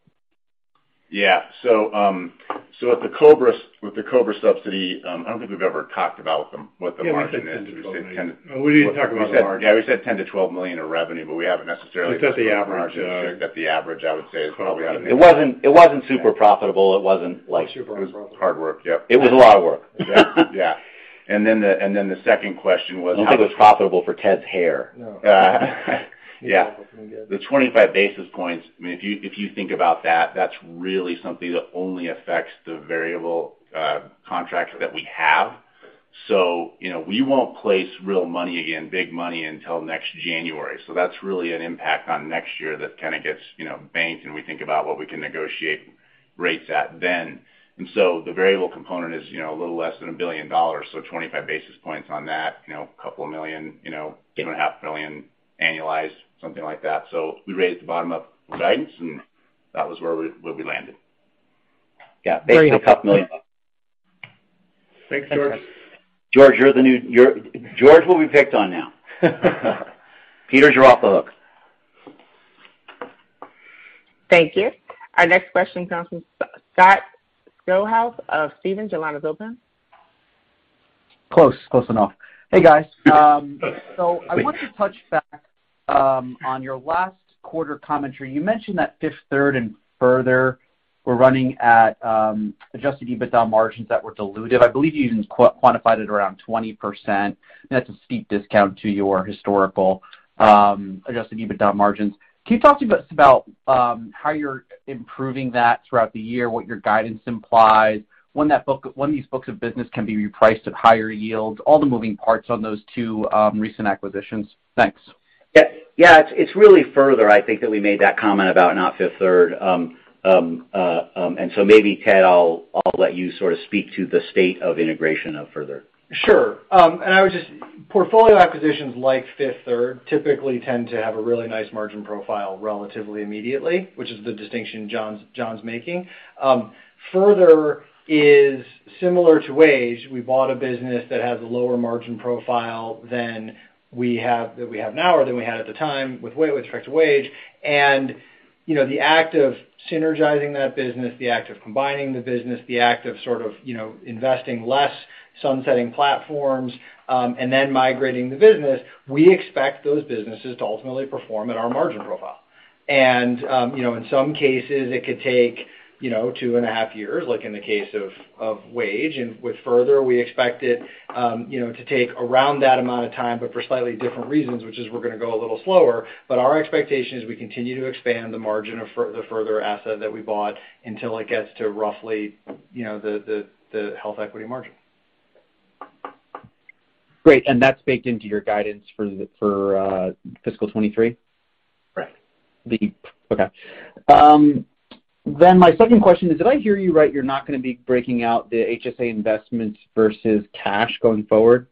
With the COBRA subsidy, I don't think we've ever talked about what the margin is. Yeah, we said $10 million-$12 million. We said 10- We didn't talk about the margin. Yeah, we said $10 million-$12 million of revenue, but we haven't necessarily. It's at the average. That the average, I would say, is probably out of it. It wasn't super profitable. It wasn't like. It was hard work. Yep. It was a lot of work. Yeah. The second question was how- I don't think it was profitable for Ted's hair. Yeah. The 25 basis points, I mean, if you think about that's really something that only affects the variable contracts that we have. You know, we won't place real money again, big money until next January. That's really an impact on next year that kinda gets, you know, banked, and we think about what we can negotiate rates at then. The variable component is, you know, a little less than $1 billion, so 25 basis points on that, you know, a couple of million, you know, $2.5 million annualized, something like that. We raised the bottom up guidance, and that was where we landed. Yeah. Great. $2 million. Thanks, George. George will be picked on now. Peter, you're off the hook. Thank you. Our next question comes from Scott Schoenhaus of Stephens. Your line is open. Close. Close enough. Hey, guys. I want to touch back on your last quarter commentary. You mentioned that Fifth Third and Further were running at adjusted EBITDA margins that were dilutive. I believe you even quantified it around 20%. That's a steep discount to your historical adjusted EBITDA margins. Can you talk to us about how you're improving that throughout the year, what your guidance implies, when these books of business can be repriced at higher yields, all the moving parts on those two recent acquisitions? Thanks. Yeah. It's really Further, I think, that we made that comment about, not Fifth Third Bank. Maybe Ted, I'll let you sort of speak to the state of integration of Further. Sure. I would just portfolio acquisitions like Fifth Third typically tend to have a really nice margin profile relatively immediately, which is the distinction Jon's making. Further is similar to Wage. We bought a business that has a lower margin profile than we have, that we have now or than we had at the time with respect to Wage. You know, the act of synergizing that business, the act of combining the business, the act of sort of, you know, investing less, sunsetting platforms, and then migrating the business, we expect those businesses to ultimately perform at our margin profile. You know, in some cases, it could take, you know, two and a half years, like in the case of Wage. With Further, we expect it to take around that amount of time, but for slightly different reasons, which is we're gonna go a little slower. Our expectation is we continue to expand the margin of the Further asset that we bought until it gets to roughly the HealthEquity margin. Great. That's baked into your guidance for fiscal 2023? Correct. Okay. My second question is, did I hear you right, you're not gonna be breaking out the HSA investments versus cash going forward?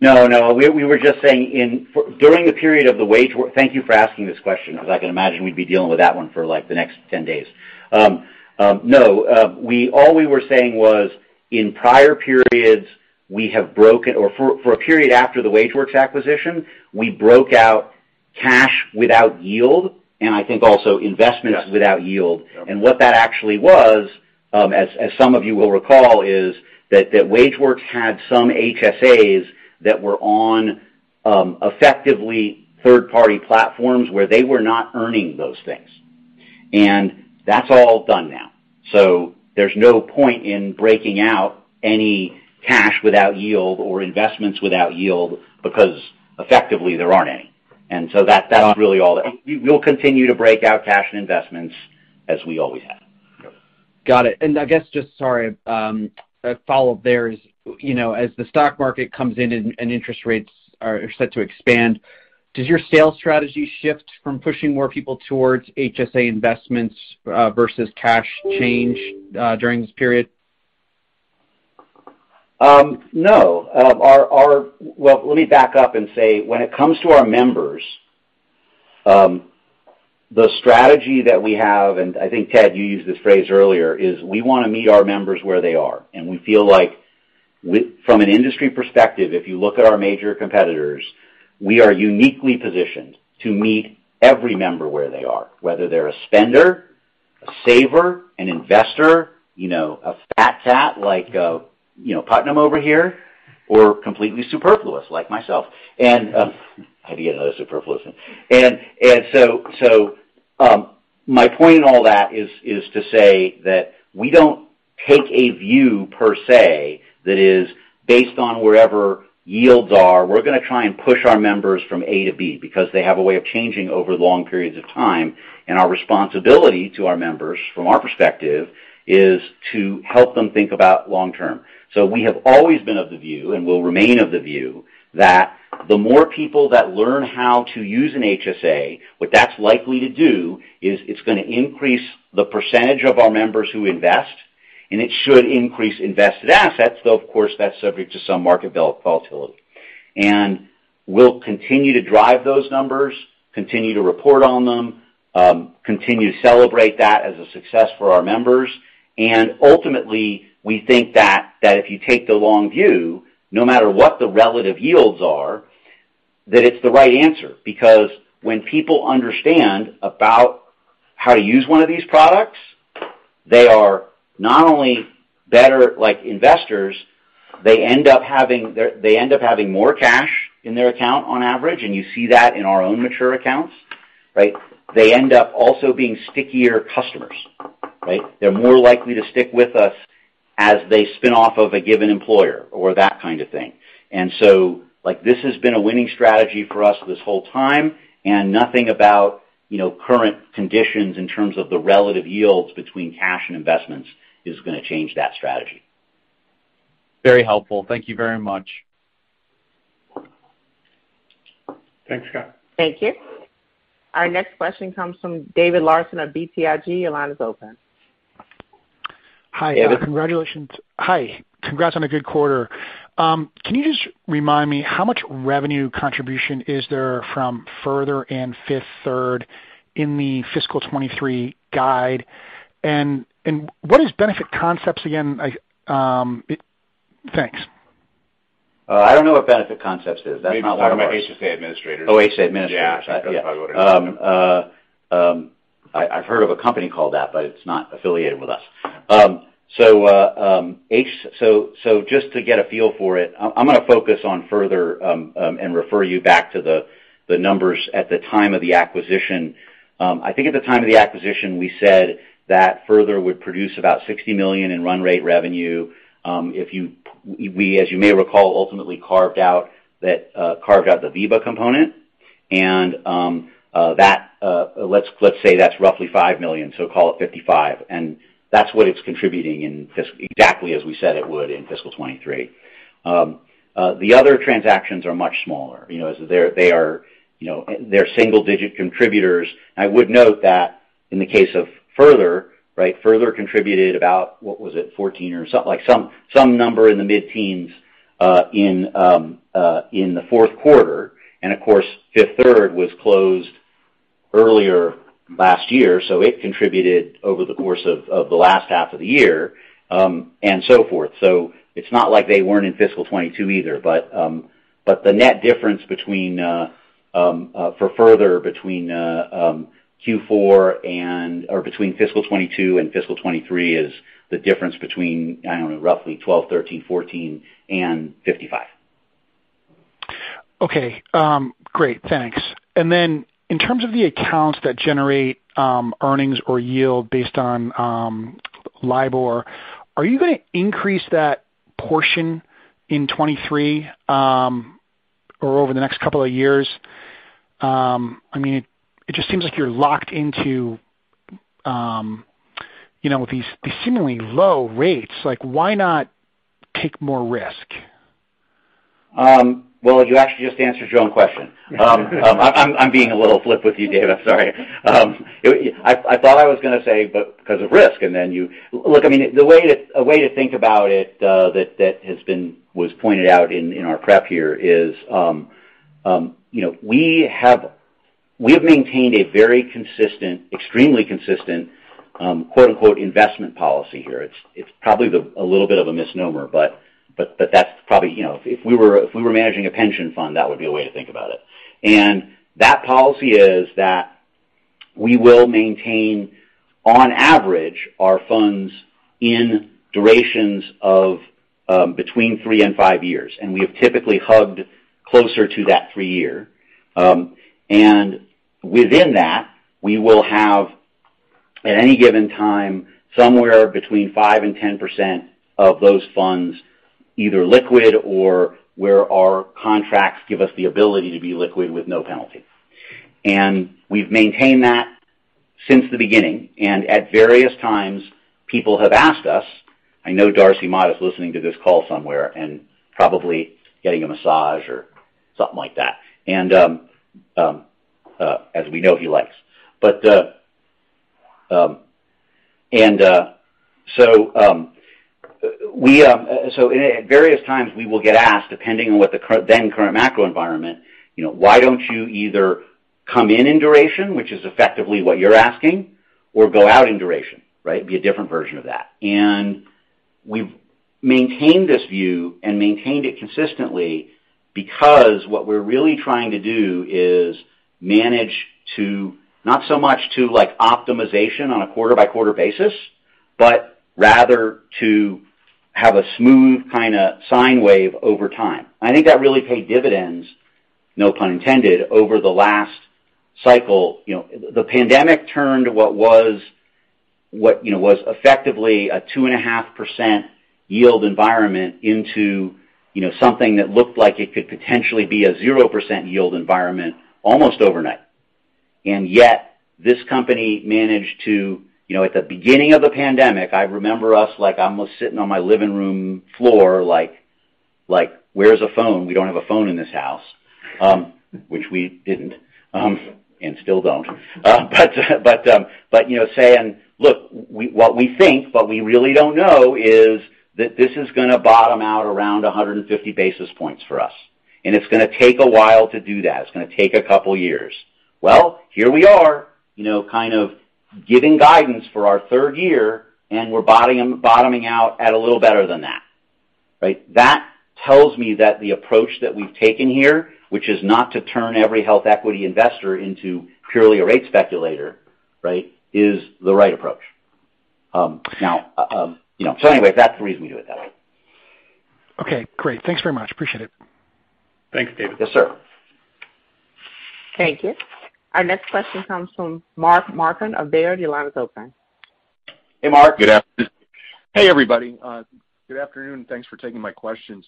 No. We were just saying during the period of the WageWorks. Thank you for asking this question, because I can imagine we'd be dealing with that one for, like, the next 10 days. No. All we were saying was in prior periods, we have broken out for a period after the WageWorks acquisition, we broke out cash without yield, and I think also investments. Yes. without yield. Yeah. What that actually was, as some of you will recall, is that WageWorks had some HSAs that were on, effectively third-party platforms where they were not earning those things. That's all done now. There's no point in breaking out any cash without yield or investments without yield because effectively there aren't any. That's really all. We'll continue to break out cash and investments as we always have. Got it. I guess a follow-up there is, you know, as the stock market comes in and interest rates are set to expand, does your sales strategy shift from pushing more people towards HSA investments versus cash during this period? No. Well, let me back up and say, when it comes to our members, the strategy that we have, and I think, Ted, you used this phrase earlier, is we wanna meet our members where they are. We feel like from an industry perspective, if you look at our major competitors, we are uniquely positioned to meet every member where they are, whether they're a spender, a saver, an investor, you know, a fat cat like, you know, Putnam over here, or completely superfluous like myself. How do you know they're superfluous? My point in all that is to say that we don't take a view per se that is based on wherever yields are. We're gonna try and push our members from A to B because they have a way of changing over long periods of time, and our responsibility to our members from our perspective is to help them think about long-term. We have always been of the view and will remain of the view that the more people that learn how to use an HSA, what that's likely to do is it's gonna increase the percentage of our members who invest, and it should increase invested assets, though, of course, that's subject to some market volatility. We'll continue to drive those numbers, continue to report on them, continue to celebrate that as a success for our members. Ultimately, we think that if you take the long view, no matter what the relative yields are, that it's the right answer. Because when people understand about how to use one of these products, they are not only better like investors, they end up having more cash in their account on average, and you see that in our own mature accounts, right? They end up also being stickier customers, right? They're more likely to stick with us as they spin off of a given employer or that kind of thing. Like, this has been a winning strategy for us this whole time, and nothing about, you know, current conditions in terms of the relative yields between cash and investments is gonna change that strategy. Very helpful. Thank you very much. Thanks, Scott. Thank you. Our next question comes from David Larsen of BTIG. Your line is open. Hi, Evan. Congratulations. Hi. Congrats on a good quarter. Can you just remind me how much revenue contribution is there from Further and Fifth Third in the fiscal 2023 guide? What is Benefit Concepts again? Thanks. I don't know what Benefit Concepts is. That's not one of ours. Maybe talking about Health Savings Administrators. HSA Administrators. Yeah. That's probably what it is. I've heard of a company called that, but it's not affiliated with us. So just to get a feel for it, I'm gonna focus on Further and refer you back to the numbers at the time of the acquisition. I think at the time of the acquisition, we said that Further would produce about $60 million in run rate revenue. We, as you may recall, ultimately carved out the Veeva component. Let's say that's roughly $5 million, so call it $55 million. That's what it's contributing in fiscal 2023 exactly as we said it would in fiscal 2023. The other transactions are much smaller. You know, they are, you know, they're single-digit contributors. I would note that in the case of Further, right, Further contributed about, what was it? $14 million or something, like some number in the mid-teens in the fourth quarter. Of course, Fifth Third Bank was closed earlier last year, so it contributed over the course of the last half of the year and so forth. It's not like they weren't in fiscal 2022 either. But the net difference for Further between Q4 and/or between fiscal 2022 and fiscal 2023 is the difference between, I don't know, roughly $12 million, $13 million, $14 million, and $55 million. Okay. Great. Thanks. In terms of the accounts that generate earnings or yield based on LIBOR, are you gonna increase that portion in 2023 or over the next couple of years? I mean, it just seems like you're locked into you know these seemingly low rates. Like, why not take more risk? Well, you actually just answered your own question. I'm being a little flip with you, David. I'm sorry. Look, I mean, a way to think about it that has been pointed out in our prep here is, you know, we have maintained a very consistent, extremely consistent, quote-unquote, investment policy here. It's probably a little bit of a misnomer, but that's probably you know, if we were managing a pension fund, that would be a way to think about it. That policy is that we will maintain, on average, our funds in durations of between three and five years, and we have typically hugged closer to that three year. Within that, we will have, at any given time, somewhere between 5%-10% of those funds, either liquid or where our contracts give us the ability to be liquid with no penalty. We've maintained that since the beginning. At various times, people have asked us. I know Darcy Mott is listening to this call somewhere and probably getting a massage or something like that, and as we know he likes. At various times we will get asked, depending on what the current macro environment, you know, why don't you either come in in duration, which is effectively what you're asking, or go out in duration, right? Be a different version of that. We've maintained this view and maintained it consistently because what we're really trying to do is manage to, not so much to like optimization on a quarter by quarter basis, but rather to have a smooth kinda sine wave over time. I think that really paid dividends, no pun intended, over the last cycle. You know, the pandemic turned what was effectively a 2.5% yield environment into, you know, something that looked like it could potentially be a 0% yield environment almost overnight. Yet this company managed to, you know, at the beginning of the pandemic, I remember us like I'm almost sitting on my living room floor like "Where's a phone? We don't have a phone in this house." Which we didn't and still don't. you know, saying, "Look, we think, but we really don't know, is that this is gonna bottom out around 150 basis points for us, and it's gonna take a while to do that. It's gonna take a couple years." Well, here we are, you know, kind of giving guidance for our third year, and we're bottoming out at a little better than that, right? That tells me that the approach that we've taken here, which is not to turn every HealthEquity investor into purely a rate speculator, right, is the right approach. Anyway, that's the reason we do it that way. Okay, great. Thanks very much. Appreciate it. Thanks, David. Yes, sir. Thank you. Our next question comes from Mark Marcon of Baird. Your line is open. Hey, Mark. Good afternoon. Hey, everybody. Good afternoon, and thanks for taking my questions.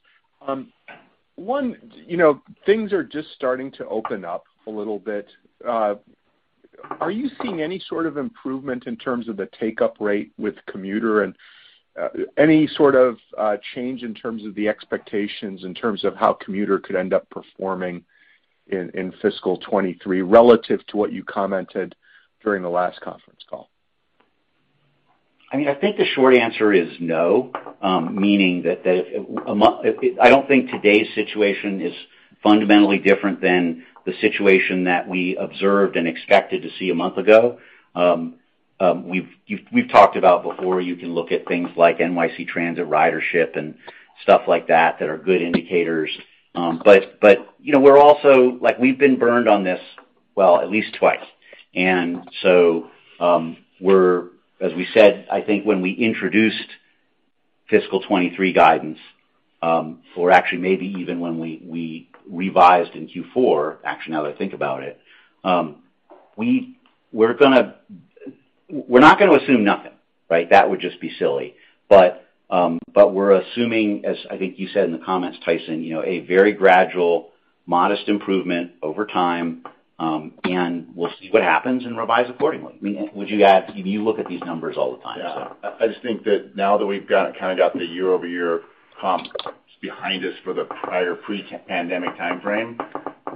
One, you know, things are just starting to open up a little bit. Are you seeing any sort of improvement in terms of the take-up rate with commuter? And any sort of change in terms of the expectations in terms of how commuter could end up performing in fiscal 2023 relative to what you commented during the last conference call? I mean, I think the short answer is no. Meaning that, I don't think today's situation is fundamentally different than the situation that we observed and expected to see a month ago. We've talked about before, you can look at things like NYC transit ridership and stuff like that that are good indicators. But, you know, we're also like, we've been burned on this, well, at least twice. We're, as we said, I think when we introduced fiscal 2023 guidance, or actually maybe even when we revised in Q4, actually, now that I think about it, we're gonna. We're not gonna assume nothing, right? That would just be silly. We're assuming, as I think you said in the comments, Tyson, you know, a very gradual, modest improvement over time, and we'll see what happens and revise accordingly. I mean, would you add? You look at these numbers all the time, so. Yeah. I just think that now that we've got, kinda got the year-over-year comp behind us for the prior pre-pandemic timeframe,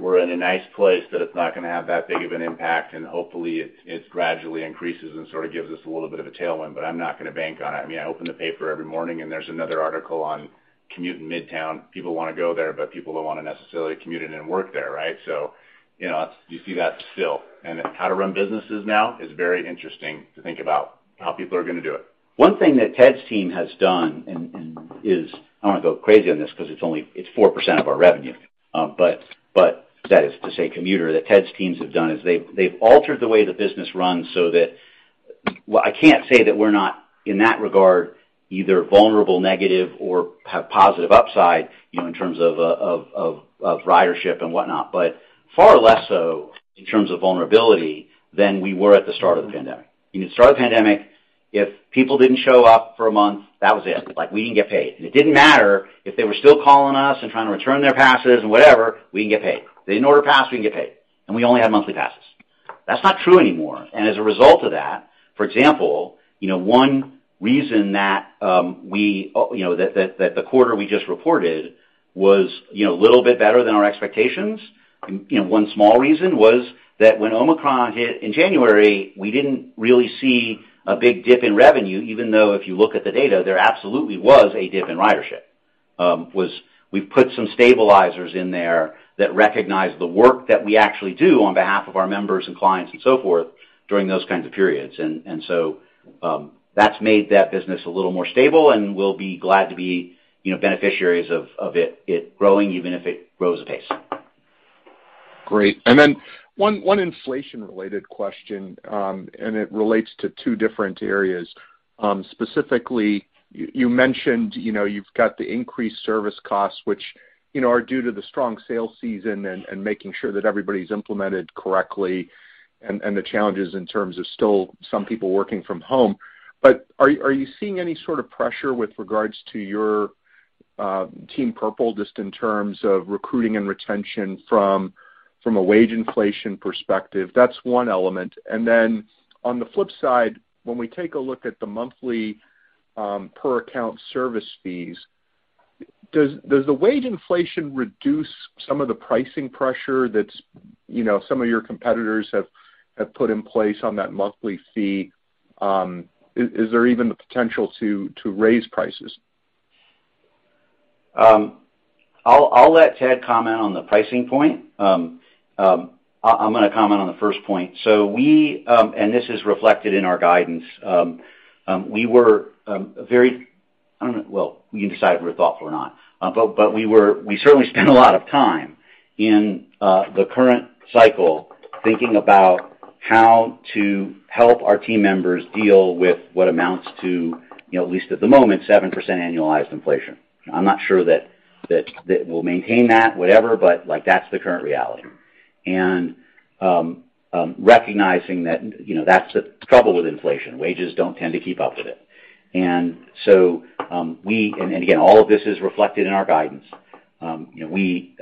we're in a nice place that it's not gonna have that big of an impact, and hopefully it gradually increases and sorta gives us a little bit of a tailwind, but I'm not gonna bank on it. I mean, I open the paper every morning and there's another article on commute in Midtown. People wanna go there, but people don't wanna necessarily commute in and work there, right? So, you know, you see that still. How to run businesses now is very interesting to think about how people are gonna do it. One thing that Ted's team has done and is, I don't wanna go crazy on this 'cause it's only 4% of our revenue. But that is to say commuter, that Ted's teams have done is they've altered the way the business runs so that. Well, I can't say that we're not, in that regard, either vulnerable, negative or have positive upside, you know, in terms of ridership and whatnot, but far less so in terms of vulnerability than we were at the start of the pandemic. You know, start of the pandemic, if people didn't show up for a month, that was it. Like, we didn't get paid. It didn't matter if they were still calling us and trying to return their passes and whatever, we didn't get paid. If they didn't order a pass, we didn't get paid, and we only had monthly passes. That's not true anymore. As a result of that, for example, you know, one reason that we, you know, that the quarter we just reported was, you know, a little bit better than our expectations, you know, one small reason was that when Omicron hit in January, we didn't really see a big dip in revenue, even though if you look at the data, there absolutely was a dip in ridership, was we put some stabilizers in there that recognized the work that we actually do on behalf of our members and clients and so forth during those kinds of periods. That's made that business a little more stable, and we'll be glad to be, you know, beneficiaries of it growing, even if it grows apace. Great. Then one inflation related question, and it relates to two different areas. Specifically, you mentioned, you know, you've got the increased service costs, which, you know, are due to the strong sales season and making sure that everybody's implemented correctly and the challenges in terms of still some people working from home. Are you seeing any sort of pressure with regards to your Team Purple just in terms of recruiting and retention from a wage inflation perspective? That's one element. Then on the flip side, when we take a look at the monthly per account service fees, does the wage inflation reduce some of the pricing pressure that's, you know, some of your competitors have put in place on that monthly fee? Is there even the potential to raise prices? I'll let Ted comment on the pricing point. I'm gonna comment on the first point. This is reflected in our guidance. I don't know. Well, you can decide if we were thoughtful or not, but we certainly spent a lot of time in the current cycle thinking about how to help our team members deal with what amounts to, you know, at least at the moment, 7% annualized inflation. I'm not sure that we'll maintain that whatever, but like, that's the current reality. Recognizing that, you know, that's the trouble with inflation. Wages don't tend to keep up with it. Again, all of this is reflected in our guidance. You know, we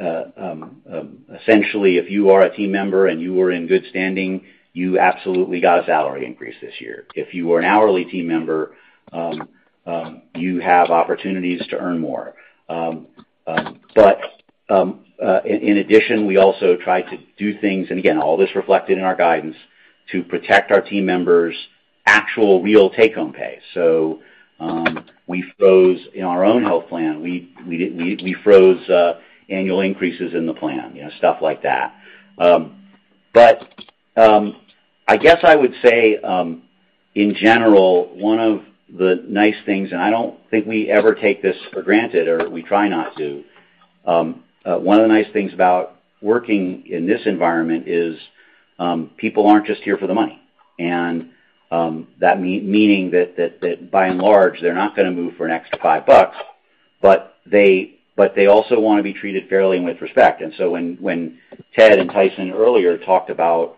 essentially if you are a team member and you were in good standing, you absolutely got a salary increase this year. If you were an hourly team member, you have opportunities to earn more. In addition, we also try to do things, and again, all this reflected in our guidance, to protect our team members' actual real take-home pay. We froze annual increases in our own health plan, you know, stuff like that. I guess I would say in general, one of the nice things, and I don't think we ever take this for granted, or we try not to. One of the nice things about working in this environment is, people aren't just here for the money. That meaning that by and large, they're not gonna move for an extra $5, but they also wanna be treated fairly and with respect. When Ted and Tyson earlier talked about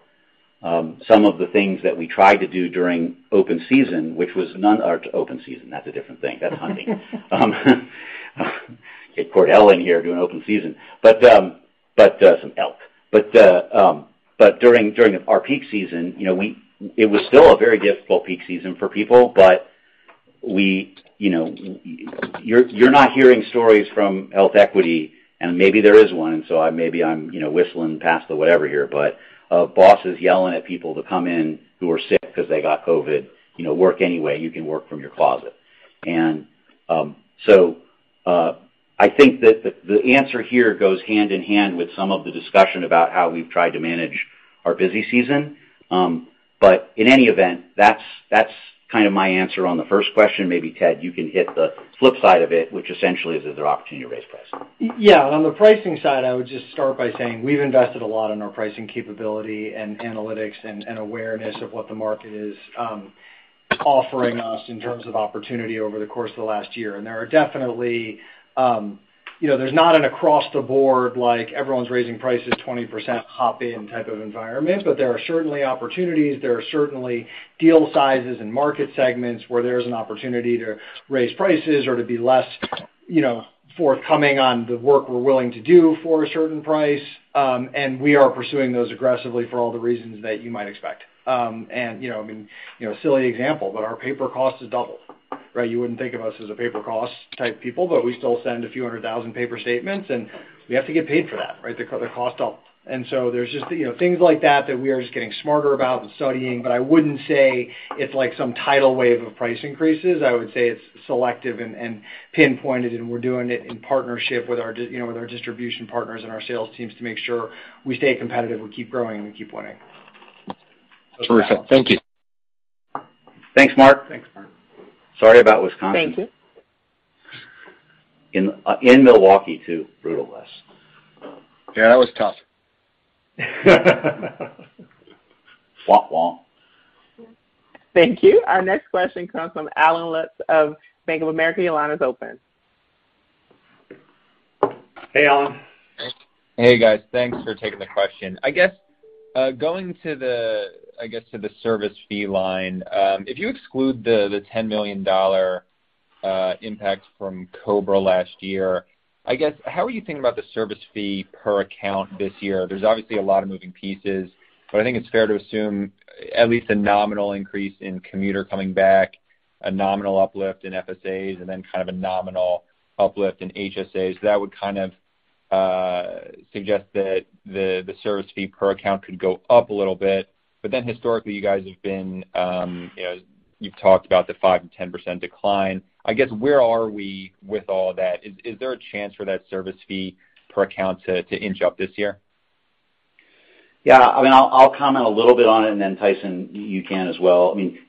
some of the things that we tried to do during open season, or open season, that's a different thing. That's hunting. Get Scott Cutler in here doing open season. But some elk. But during our peak season, you know, it was still a very difficult peak season for people, but we, you know. You're not hearing stories from HealthEquity, and maybe there is one, and so maybe I'm, you know, whistling past the whatever here. Bosses yelling at people to come in who are sick 'cause they got COVID, you know, work anyway. You can work from your closet. I think that the answer here goes hand in hand with some of the discussion about how we've tried to manage our busy season. In any event, that's kind of my answer on the first question. Maybe, Ted, you can hit the flip side of it, which essentially is there opportunity to raise prices? Yeah. On the pricing side, I would just start by saying we've invested a lot in our pricing capability and analytics and awareness of what the market is offering us in terms of opportunity over the course of the last year. There are definitely, you know, there's not an across the board, like everyone's raising prices 20%, hop in type of environment, but there are certainly opportunities. There are certainly deal sizes and market segments where there's an opportunity to raise prices or to be less, you know, forthcoming on the work we're willing to do for a certain price. We are pursuing those aggressively for all the reasons that you might expect. You know, I mean, you know, a silly example, but our paper cost has doubled, right? You wouldn't think of us as a paper cost type people, but we still send a few hundred thousand paper statements, and we have to get paid for that, right? The cost doubled. There's just, you know, things like that we are just getting smarter about and studying. I wouldn't say it's like some tidal wave of price increases. I would say it's selective and pinpointed, and we're doing it in partnership with our distribution partners and our sales teams to make sure we stay competitive, we keep growing, and we keep winning. Terrific. Thank you. Thanks, Mark. Thanks, Mark. Sorry about Wisconsin. Thank you. In Milwaukee, too. Brutal, Les. Yeah, that was tough. Wonk wonk. Thank you. Our next question comes from Allen Lutz of Bank of America. Your line is open. Hey, Allen. Hey, guys. Thanks for taking the question. I guess going to the service fee line, if you exclude the $10 million impact from COBRA last year, I guess how are you thinking about the service fee per account this year? There's obviously a lot of moving pieces, but I think it's fair to assume at least a nominal increase in commuter coming back, a nominal uplift in FSAs, and then kind of a nominal uplift in HSAs. That would kind of suggest that the service fee per account could go up a little bit. Historically, you guys have been, you know, you've talked about the 5% and 10% decline. I guess where are we with all that? Is there a chance for that service fee per account to inch up this year? Yeah. I mean, I'll comment a little bit on it, and then Tyson, you can as well. I mean,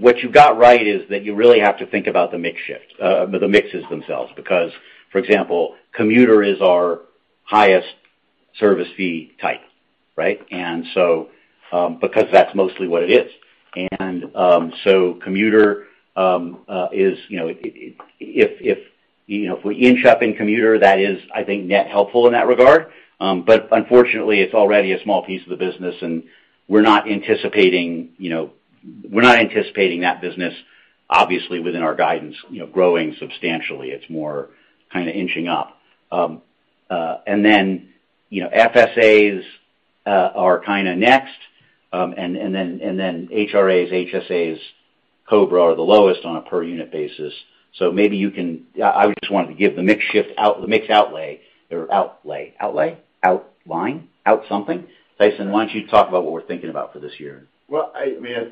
what you got right is that you really have to think about the mix shift, the mixes themselves, because for example, commuter is our highest service fee type, right? Because that's mostly what it is. Commuter is, you know, if we inch up in commuter, that is, I think, net helpful in that regard. Unfortunately, it's already a small piece of the business, and we're not anticipating that business obviously within our guidance, you know, growing substantially. It's more kinda inching up. You know, FSAs are kinda next. HRAs, HSAs, COBRA are the lowest on a per unit basis. I just wanted to give the mix shift out, the mix outline or something. Tyson, why don't you talk about what we're thinking about for this year? Well, I mean,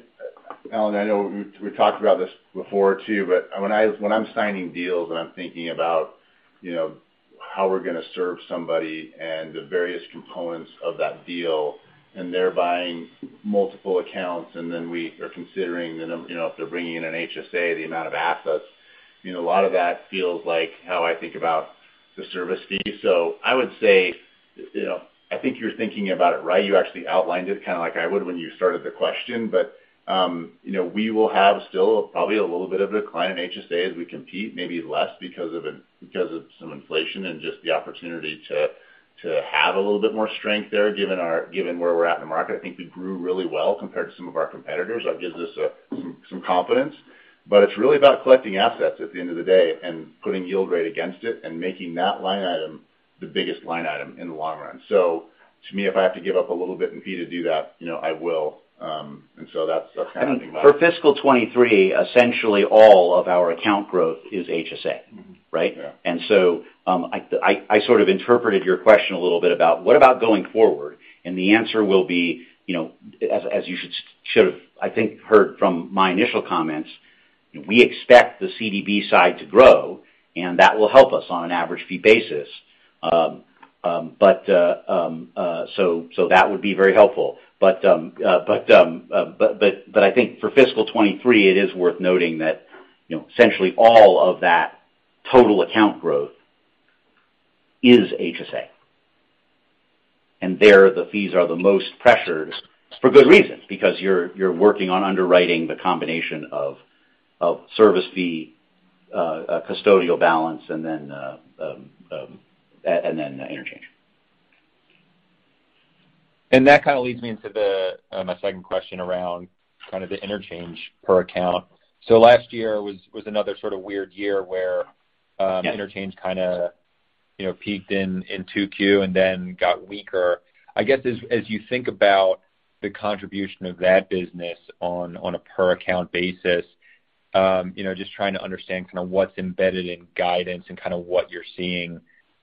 Allen, I know we talked about this before too, but when I'm signing deals and I'm thinking about, you know, how we're gonna serve somebody and the various components of that deal, and they're buying multiple accounts, and then we are considering, you know, if they're bringing in an HSA, the amount of assets. You know, a lot of that feels like how I think about the service fee. I would say, you know, I think you're thinking about it right. You actually outlined it kinda like I would when you started the question. you know, we will have still probably a little bit of a decline in HSA as we compete, maybe less because of it, because of some inflation and just the opportunity to have a little bit more strength there, given where we're at in the market. I think we grew really well compared to some of our competitors. That gives us some confidence. It's really about collecting assets at the end of the day and putting yield rate against it and making that line item the biggest line item in the long run. To me, if I have to give up a little bit in fee to do that, you know, I will. That's kinda- I think for FY 2023, essentially all of our account growth is HSA, right? Yeah. I sort of interpreted your question a little bit about what about going forward. The answer will be, you know, as you should have, I think, heard from my initial comments, we expect the CDB side to grow, and that will help us on an average fee basis. That would be very helpful. I think for fiscal 2023, it is worth noting that, you know, essentially all of that total account growth is HSA. There, the fees are the most pressured for good reasons, because you're working on underwriting the combination of service fee, custodial balance and then the interchange. That kinda leads me into my second question around kind of the interchange per account. Last year was another sort of weird year where Yeah. Interchange, kinda, you know, peaked in 2Q and then got weaker. I guess as you think about the contribution of that business on a per account basis, you know, just trying to understand kinda what's embedded in guidance and kinda what you're seeing,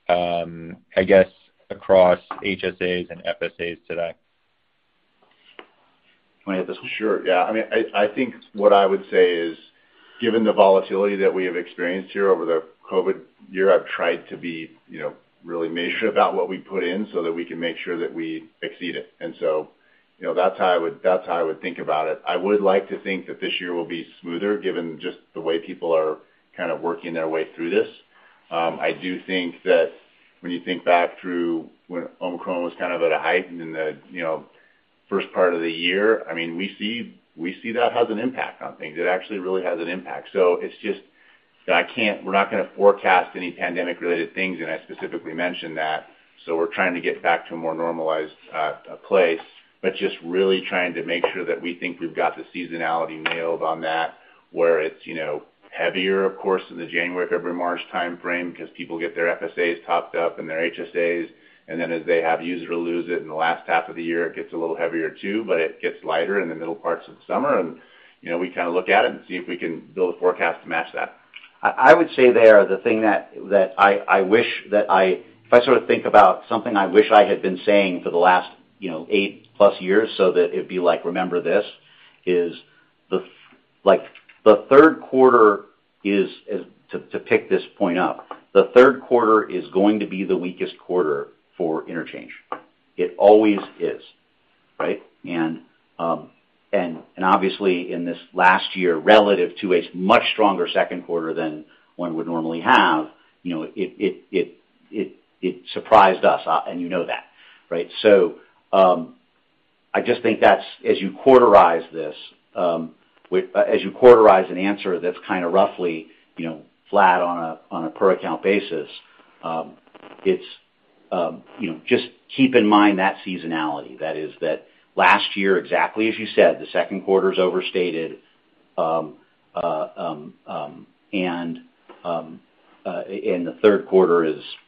I guess, across HSAs and FSAs today. You want to hit this one? Sure, yeah. I mean, I think what I would say is, given the volatility that we have experienced here over the COVID year, I've tried to be, you know, really measured about what we put in so that we can make sure that we exceed it. You know, that's how I would think about it. I would like to think that this year will be smoother, given just the way people are kind of working their way through this. I do think that when you think back through when Omicron was kind of at a height and in the, you know, first part of the year, I mean, we see that has an impact on things. It actually really has an impact. We're not gonna forecast any pandemic-related things, and I specifically mentioned that. We're trying to get back to a more normalized place, but just really trying to make sure that we think we've got the seasonality nailed on that, where it's, you know, heavier of course in the January, February, March timeframe 'cause people get their FSAs topped up and their HSAs. Then as they have use it or lose it in the last half of the year, it gets a little heavier too, but it gets lighter in the middle parts of the summer. You know, we kinda look at it and see if we can build a forecast to match that. I would say the thing that I wish that I had been saying for the last, you know, 8+ years so that it'd be like, remember this, is like, the third quarter is to pick this point up, the third quarter is going to be the weakest quarter for interchange. It always is, right? And obviously in this last year, relative to a much stronger second quarter than one would normally have, you know, it surprised us, and you know that, right? I just think that's, as you quarterize this, as you quarterize an answer that's kinda roughly, you know, flat on a per account basis, it's, you know, just keep in mind that seasonality. That is, that last year, exactly as you said, the second quarter's overstated. The third quarter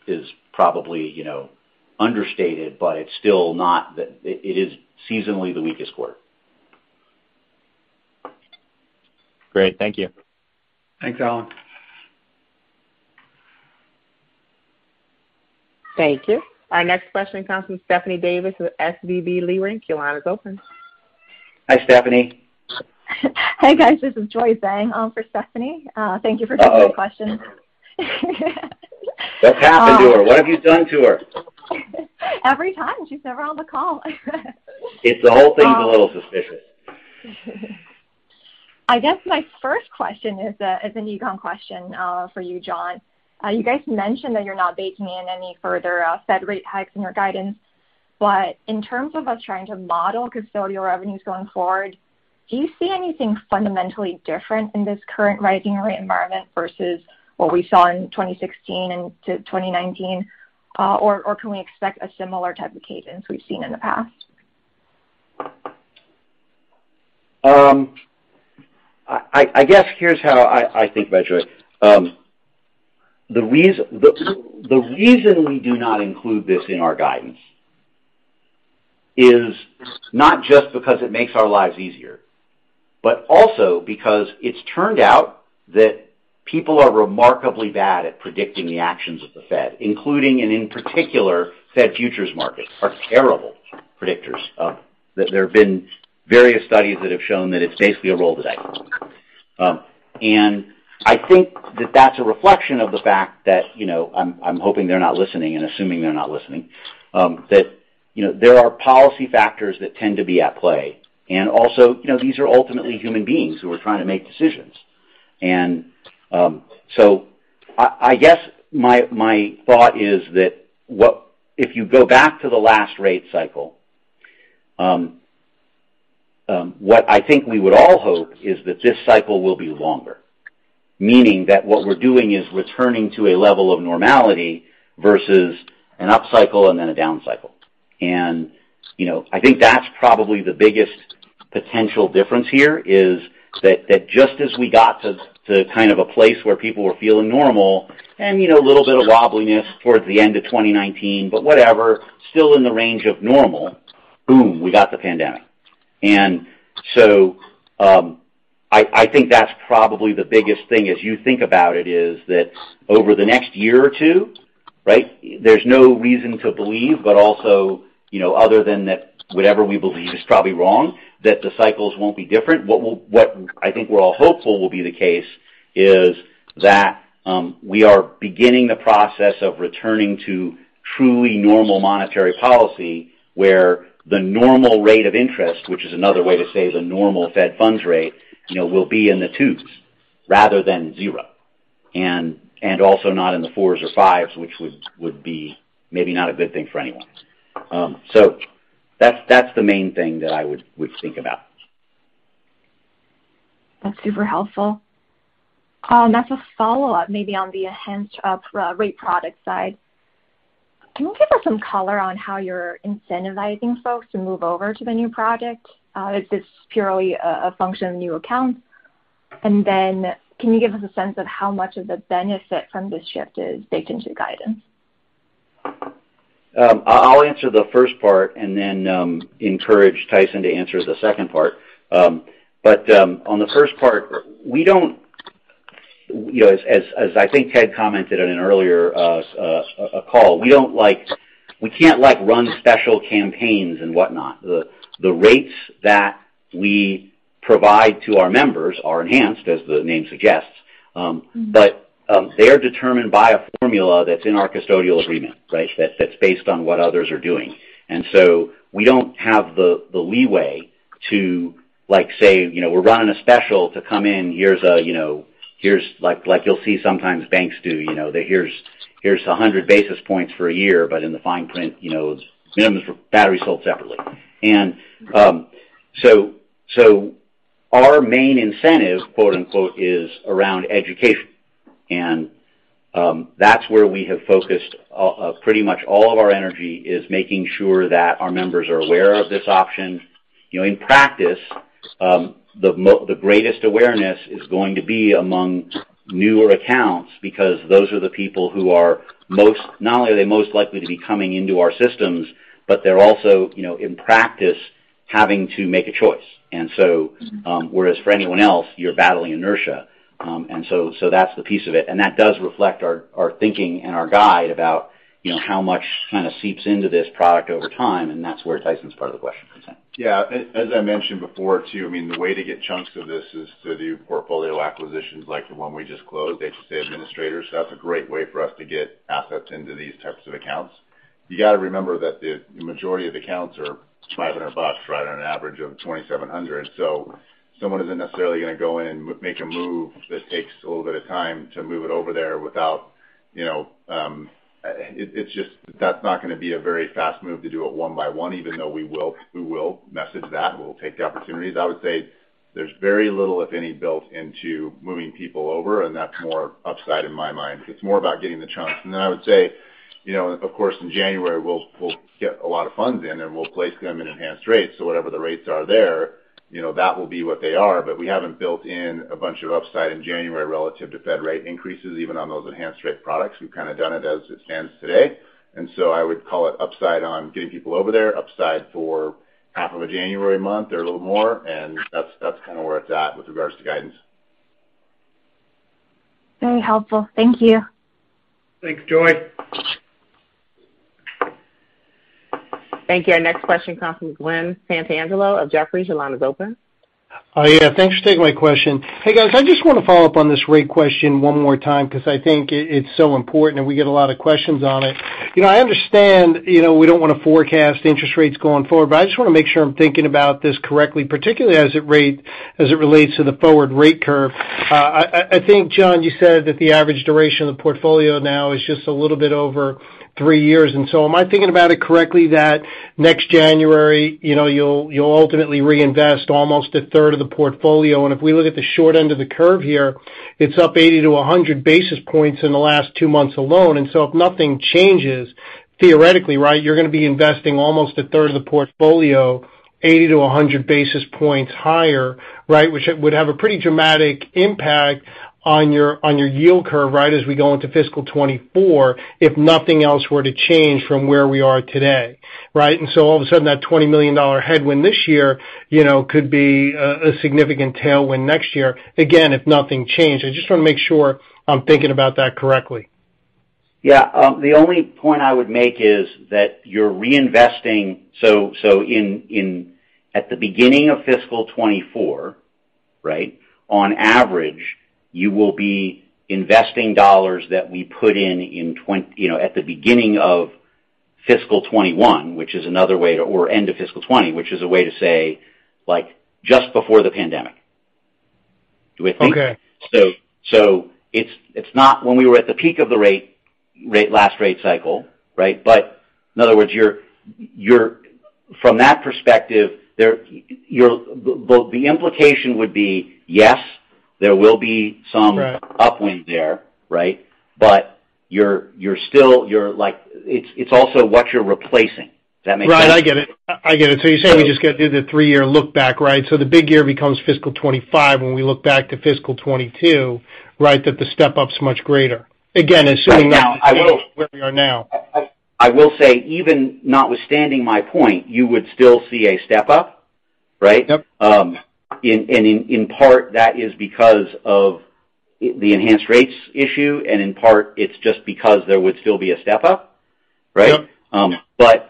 is probably, you know, understated, but it's still not the. It is seasonally the weakest quarter. Great. Thank you. Thanks, Allen. Thank you. Our next question comes from Stephanie Davis with SVB Leerink. Your line is open. Hi, Stephanie. Hey guys, this is Joy Zhang, for Stephanie. Thank you for taking the question. Uh-oh. What's happened to her? What have you done to her? Every time she's never on the call. It's the whole thing's a little suspicious. I guess my first question is an econ question for you, Jon. You guys mentioned that you're not baking in any further Fed rate hikes in your guidance, but in terms of us trying to model custodial revenues going forward, do you see anything fundamentally different in this current rising rate environment versus what we saw from 2016-2019? Or can we expect a similar type of cadence we've seen in the past? I guess here's how I think about it. The reason we do not include this in our guidance is not just because it makes our lives easier, but also because it's turned out that people are remarkably bad at predicting the actions of the Fed, including and in particular, Fed futures markets are terrible predictors of. There have been various studies that have shown that it's basically a roll of the dice. I think that that's a reflection of the fact that, you know, I'm hoping they're not listening and assuming they're not listening, that, you know, there are policy factors that tend to be at play. Also, you know, these are ultimately human beings who are trying to make decisions. I guess my thought is that if you go back to the last rate cycle, what I think we would all hope is that this cycle will be longer. Meaning that what we're doing is returning to a level of normality versus an upcycle and then a downcycle. You know, I think that's probably the biggest potential difference here is that just as we got to kind of a place where people were feeling normal and, you know, a little bit of wobbliness towards the end of 2019, but whatever, still in the range of normal, boom, we got the pandemic. I think that's probably the biggest thing as you think about it, is that over the next year or two, right? There's no reason to believe, but also, you know, other than that, whatever we believe is probably wrong, that the cycles won't be different. What I think we're all hopeful will be the case is that, we are beginning the process of returning to truly normal monetary policy, where the normal rate of interest, which is another way to say the normal Fed funds rate, you know, will be in the 2s% rather than 0%, and also not in the 4s% or 5s%, which would be maybe not a good thing for anyone. So that's the main thing that I would think about. That's super helpful. As a follow-up, maybe on the Enhanced Rates product side. Can you give us some color on how you're incentivizing folks to move over to the new product? If it's purely a function of new accounts. Can you give us a sense of how much of the benefit from this shift is baked into the guidance? I'll answer the first part and then encourage Tyson to answer the second part. But on the first part, we don't, you know, as I think Ted commented on an earlier call, we can't run special campaigns and whatnot. The rates that we provide to our members are Enhanced Rates, as the name suggests, but they are determined by a formula that's in our custodial agreement, right? That's based on what others are doing. We don't have the leeway to like say, you know, we're running a special to come in. Here's a, you know, like you'll see sometimes banks do, you know, that here's a 100 basis points for a year. But in the fine print, you know, minimums, batteries sold separately. Our main incentive, quote-unquote, “is around education.” That's where we have focused pretty much all of our energy is making sure that our members are aware of this option. You know, in practice, the greatest awareness is going to be among newer accounts because those are the people who are most not only are they most likely to be coming into our systems, but they're also, you know, in practice having to make a choice. Whereas for anyone else, you're battling inertia. That's the piece of it. That does reflect our thinking and our guide about, you know, how much kind of seeps into this product over time, and that's where Tyson's part of the question comes in. Yeah. As I mentioned before too, I mean, the way to get chunks of this is through the portfolio acquisitions like the one we just closed, Health Savings Administrators. That's a great way for us to get assets into these types of accounts. You got to remember that the majority of accounts are $500, right, on an average of $2,700. So someone isn't necessarily going to go in and make a move that takes a little bit of time to move it over there without, you know, it's just that's not going to be a very fast move to do it one by one, even though we will message that. We'll take the opportunities. I would say there's very little, if any, built into moving people over, and that's more upside in my mind. It's more about getting the chunks. Then I would say, you know, of course, in January, we'll get a lot of funds in and we'll place them in Enhanced Rates. So whatever the rates are there, you know, that will be what they are. But we haven't built in a bunch of upside in January relative to Fed rate increases, even on those Enhanced Rate products. We've kind of done it as it stands today. I would call it upside on getting people over there, upside for half of a January month or a little more, and that's kind of where it's at with regards to guidance. Very helpful. Thank you. Thanks, Joy. Thank you. Our next question comes from Glen Santangelo of Jefferies. Your line is open. Thanks for taking my question. Hey, guys. I just want to follow up on this rate question one more time because I think it's so important, and we get a lot of questions on it. You know, I understand, you know, we don't wanna forecast interest rates going forward, but I just wanna make sure I'm thinking about this correctly, particularly as it relates to the forward rate curve. I think, Jon, you said that the average duration of the portfolio now is just a little bit over three years. Am I thinking about it correctly that next January, you know, you'll ultimately reinvest almost a third of the portfolio? If we look at the short end of the curve here, it's up 80-100 basis points in the last two months alone. If nothing changes, theoretically, right, you're gonna be investing almost a third of the portfolio 80 basis points-100 basis points higher, right? Which it would have a pretty dramatic impact on your, on your yield curve, right, as we go into fiscal 2024, if nothing else were to change from where we are today, right? All of a sudden, that $20 million headwind this year, you know, could be a significant tailwind next year, again, if nothing changed. I just wanna make sure I'm thinking about that correctly. Yeah. The only point I would make is that you're reinvesting. In at the beginning of fiscal 2024, right, on average, you will be investing dollars that we put in, you know, at the beginning of fiscal 2021, which is another way to or end of fiscal 2020, which is a way to say, like, just before the pandemic. Do I think. Okay. It's not when we were at the peak of the rate last rate cycle, right? In other words, you're from that perspective, but the implication would be, yes, there will be some- Right. You're still like, it's also what you're replacing. Does that make sense? Right. I get it. You're saying we just gotta do the three-year look back, right? The big year becomes fiscal 2025 when we look back to fiscal 2022, right? That the step-up's much greater. Again, assuming where we are now. I will say, even notwithstanding my point, you would still see a step-up, right? Yep. In part, that is because of the Enhanced Rates issue, and in part it's just because there would still be a step-up, right? Yep.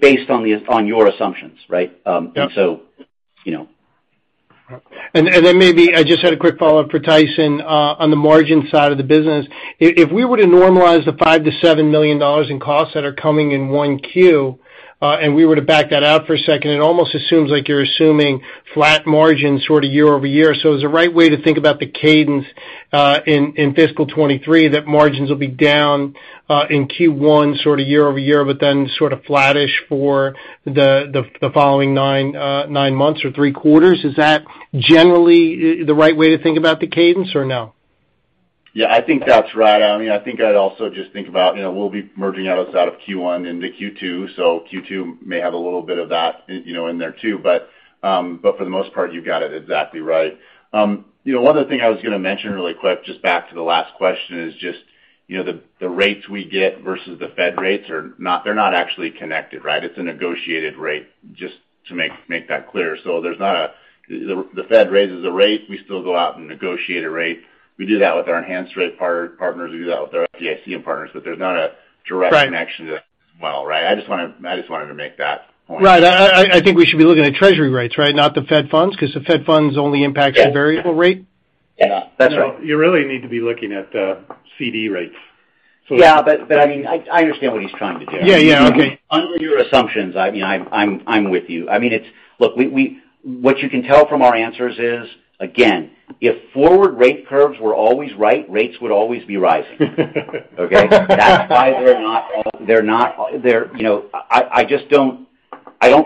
Based on your assumptions, right? You know. Maybe I just had a quick follow-up for Tyson on the margin side of the business. If we were to normalize the $5 million-$7 million in costs that are coming in Q1 and we were to back that out for a second, it almost assumes like you're assuming flat margins sort of year-over-year. Is the right way to think about the cadence in fiscal 2023, that margins will be down in Q1 sort of year-over-year, but then sort of flattish for the following 9 months or 3 quarters? Is that generally the right way to think about the cadence or no? Yeah, I think that's right. I mean, I think I'd also just think about, you know, we'll be merging out of Q1 into Q2, so Q2 may have a little bit of that, you know, in there too. But for the most part, you've got it exactly right. You know, one other thing I was gonna mention really quick, just back to the last question, is just, you know, the rates we get versus the Fed rates are not. They're not actually connected, right? It's a negotiated rate, just to make that clear. So there's not a direct connection. The Fed raises a rate, we still go out and negotiate a rate. We do that with our Enhanced Rate partners. We do that with our FDIC and partners. But there's not a direct connection to that as well, right? I just wanted to make that point. Right. I think we should be looking at Treasury rates, right? Not the Fed funds, 'cause the Fed funds only impacts- Yes. the variable rate. Yes. That's right. No, you really need to be looking at the CD rates. Yeah, I mean, I understand what he's trying to do. Yeah, yeah. Okay. Under your assumptions, I mean, I'm with you. I mean, it's. Look, what you can tell from our answers is, again, if forward rate curves were always right, rates would always be rising. Okay. That's why they're not. You know, I just don't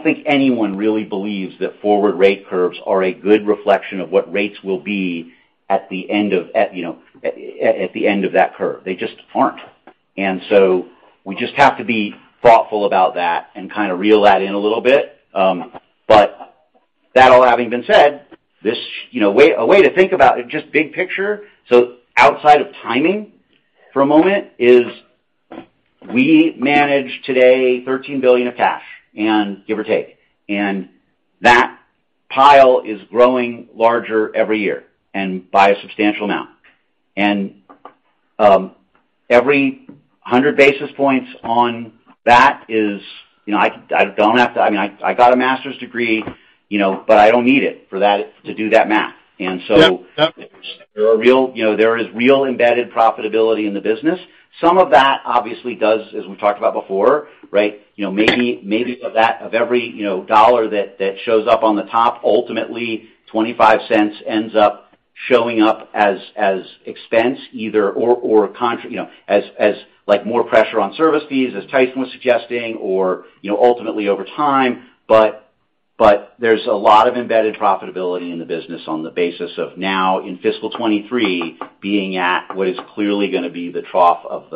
think anyone really believes that forward rate curves are a good reflection of what rates will be at the end of, you know, at the end of that curve. They just aren't. We just have to be thoughtful about that and kinda reel that in a little bit. That all having been said, this. You know, a way to think about it, just big picture, outside of timing for a moment, is we manage today $13 billion of cash and give or take, and that pile is growing larger every year and by a substantial amount. Every hundred basis points on that is. You know, I don't have to. I mean, I got a master's degree, you know, but I don't need it for that to do that math. Yep, yep. There is real embedded profitability in the business. Some of that obviously does, as we've talked about before, right? You know, maybe of that, of every, you know, dollar that shows up on the top, ultimately $0.25 ends up showing up as expense either or, you know, as like more pressure on service fees, as Tyson was suggesting, or, you know, ultimately over time. There's a lot of embedded profitability in the business on the basis of now in fiscal 2023 being at what is clearly gonna be the trough of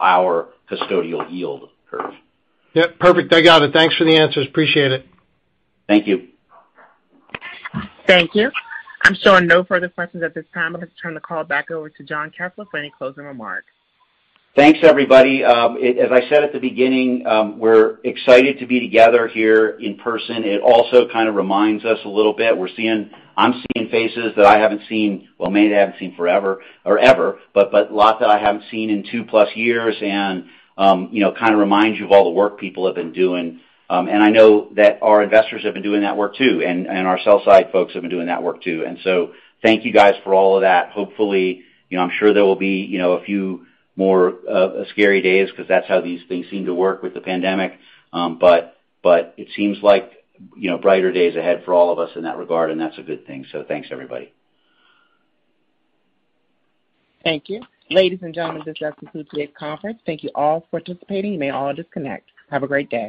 our custodial yield curve. Yep. Perfect. I got it. Thanks for the answers. Appreciate it. Thank you. Thank you. I'm showing no further questions at this time. I'd like to turn the call back over to Jon Kessler for any closing remarks. Thanks, everybody. As I said at the beginning, we're excited to be together here in person. It also kind of reminds us a little bit. We're seeing faces that I haven't seen, well, maybe I haven't seen forever or ever, but lots that I haven't seen in two-plus years and, you know, kind of reminds you of all the work people have been doing. I know that our investors have been doing that work too, and our sell side folks have been doing that work too. Thank you guys for all of that. Hopefully, you know, I'm sure there will be, you know, a few more scary days because that's how these things seem to work with the pandemic. It seems like, you know, brighter days ahead for all of us in that regard, and that's a good thing. Thanks, everybody. Thank you. Ladies and gentlemen, this does conclude today's conference. Thank you all for participating. You may all disconnect. Have a great day.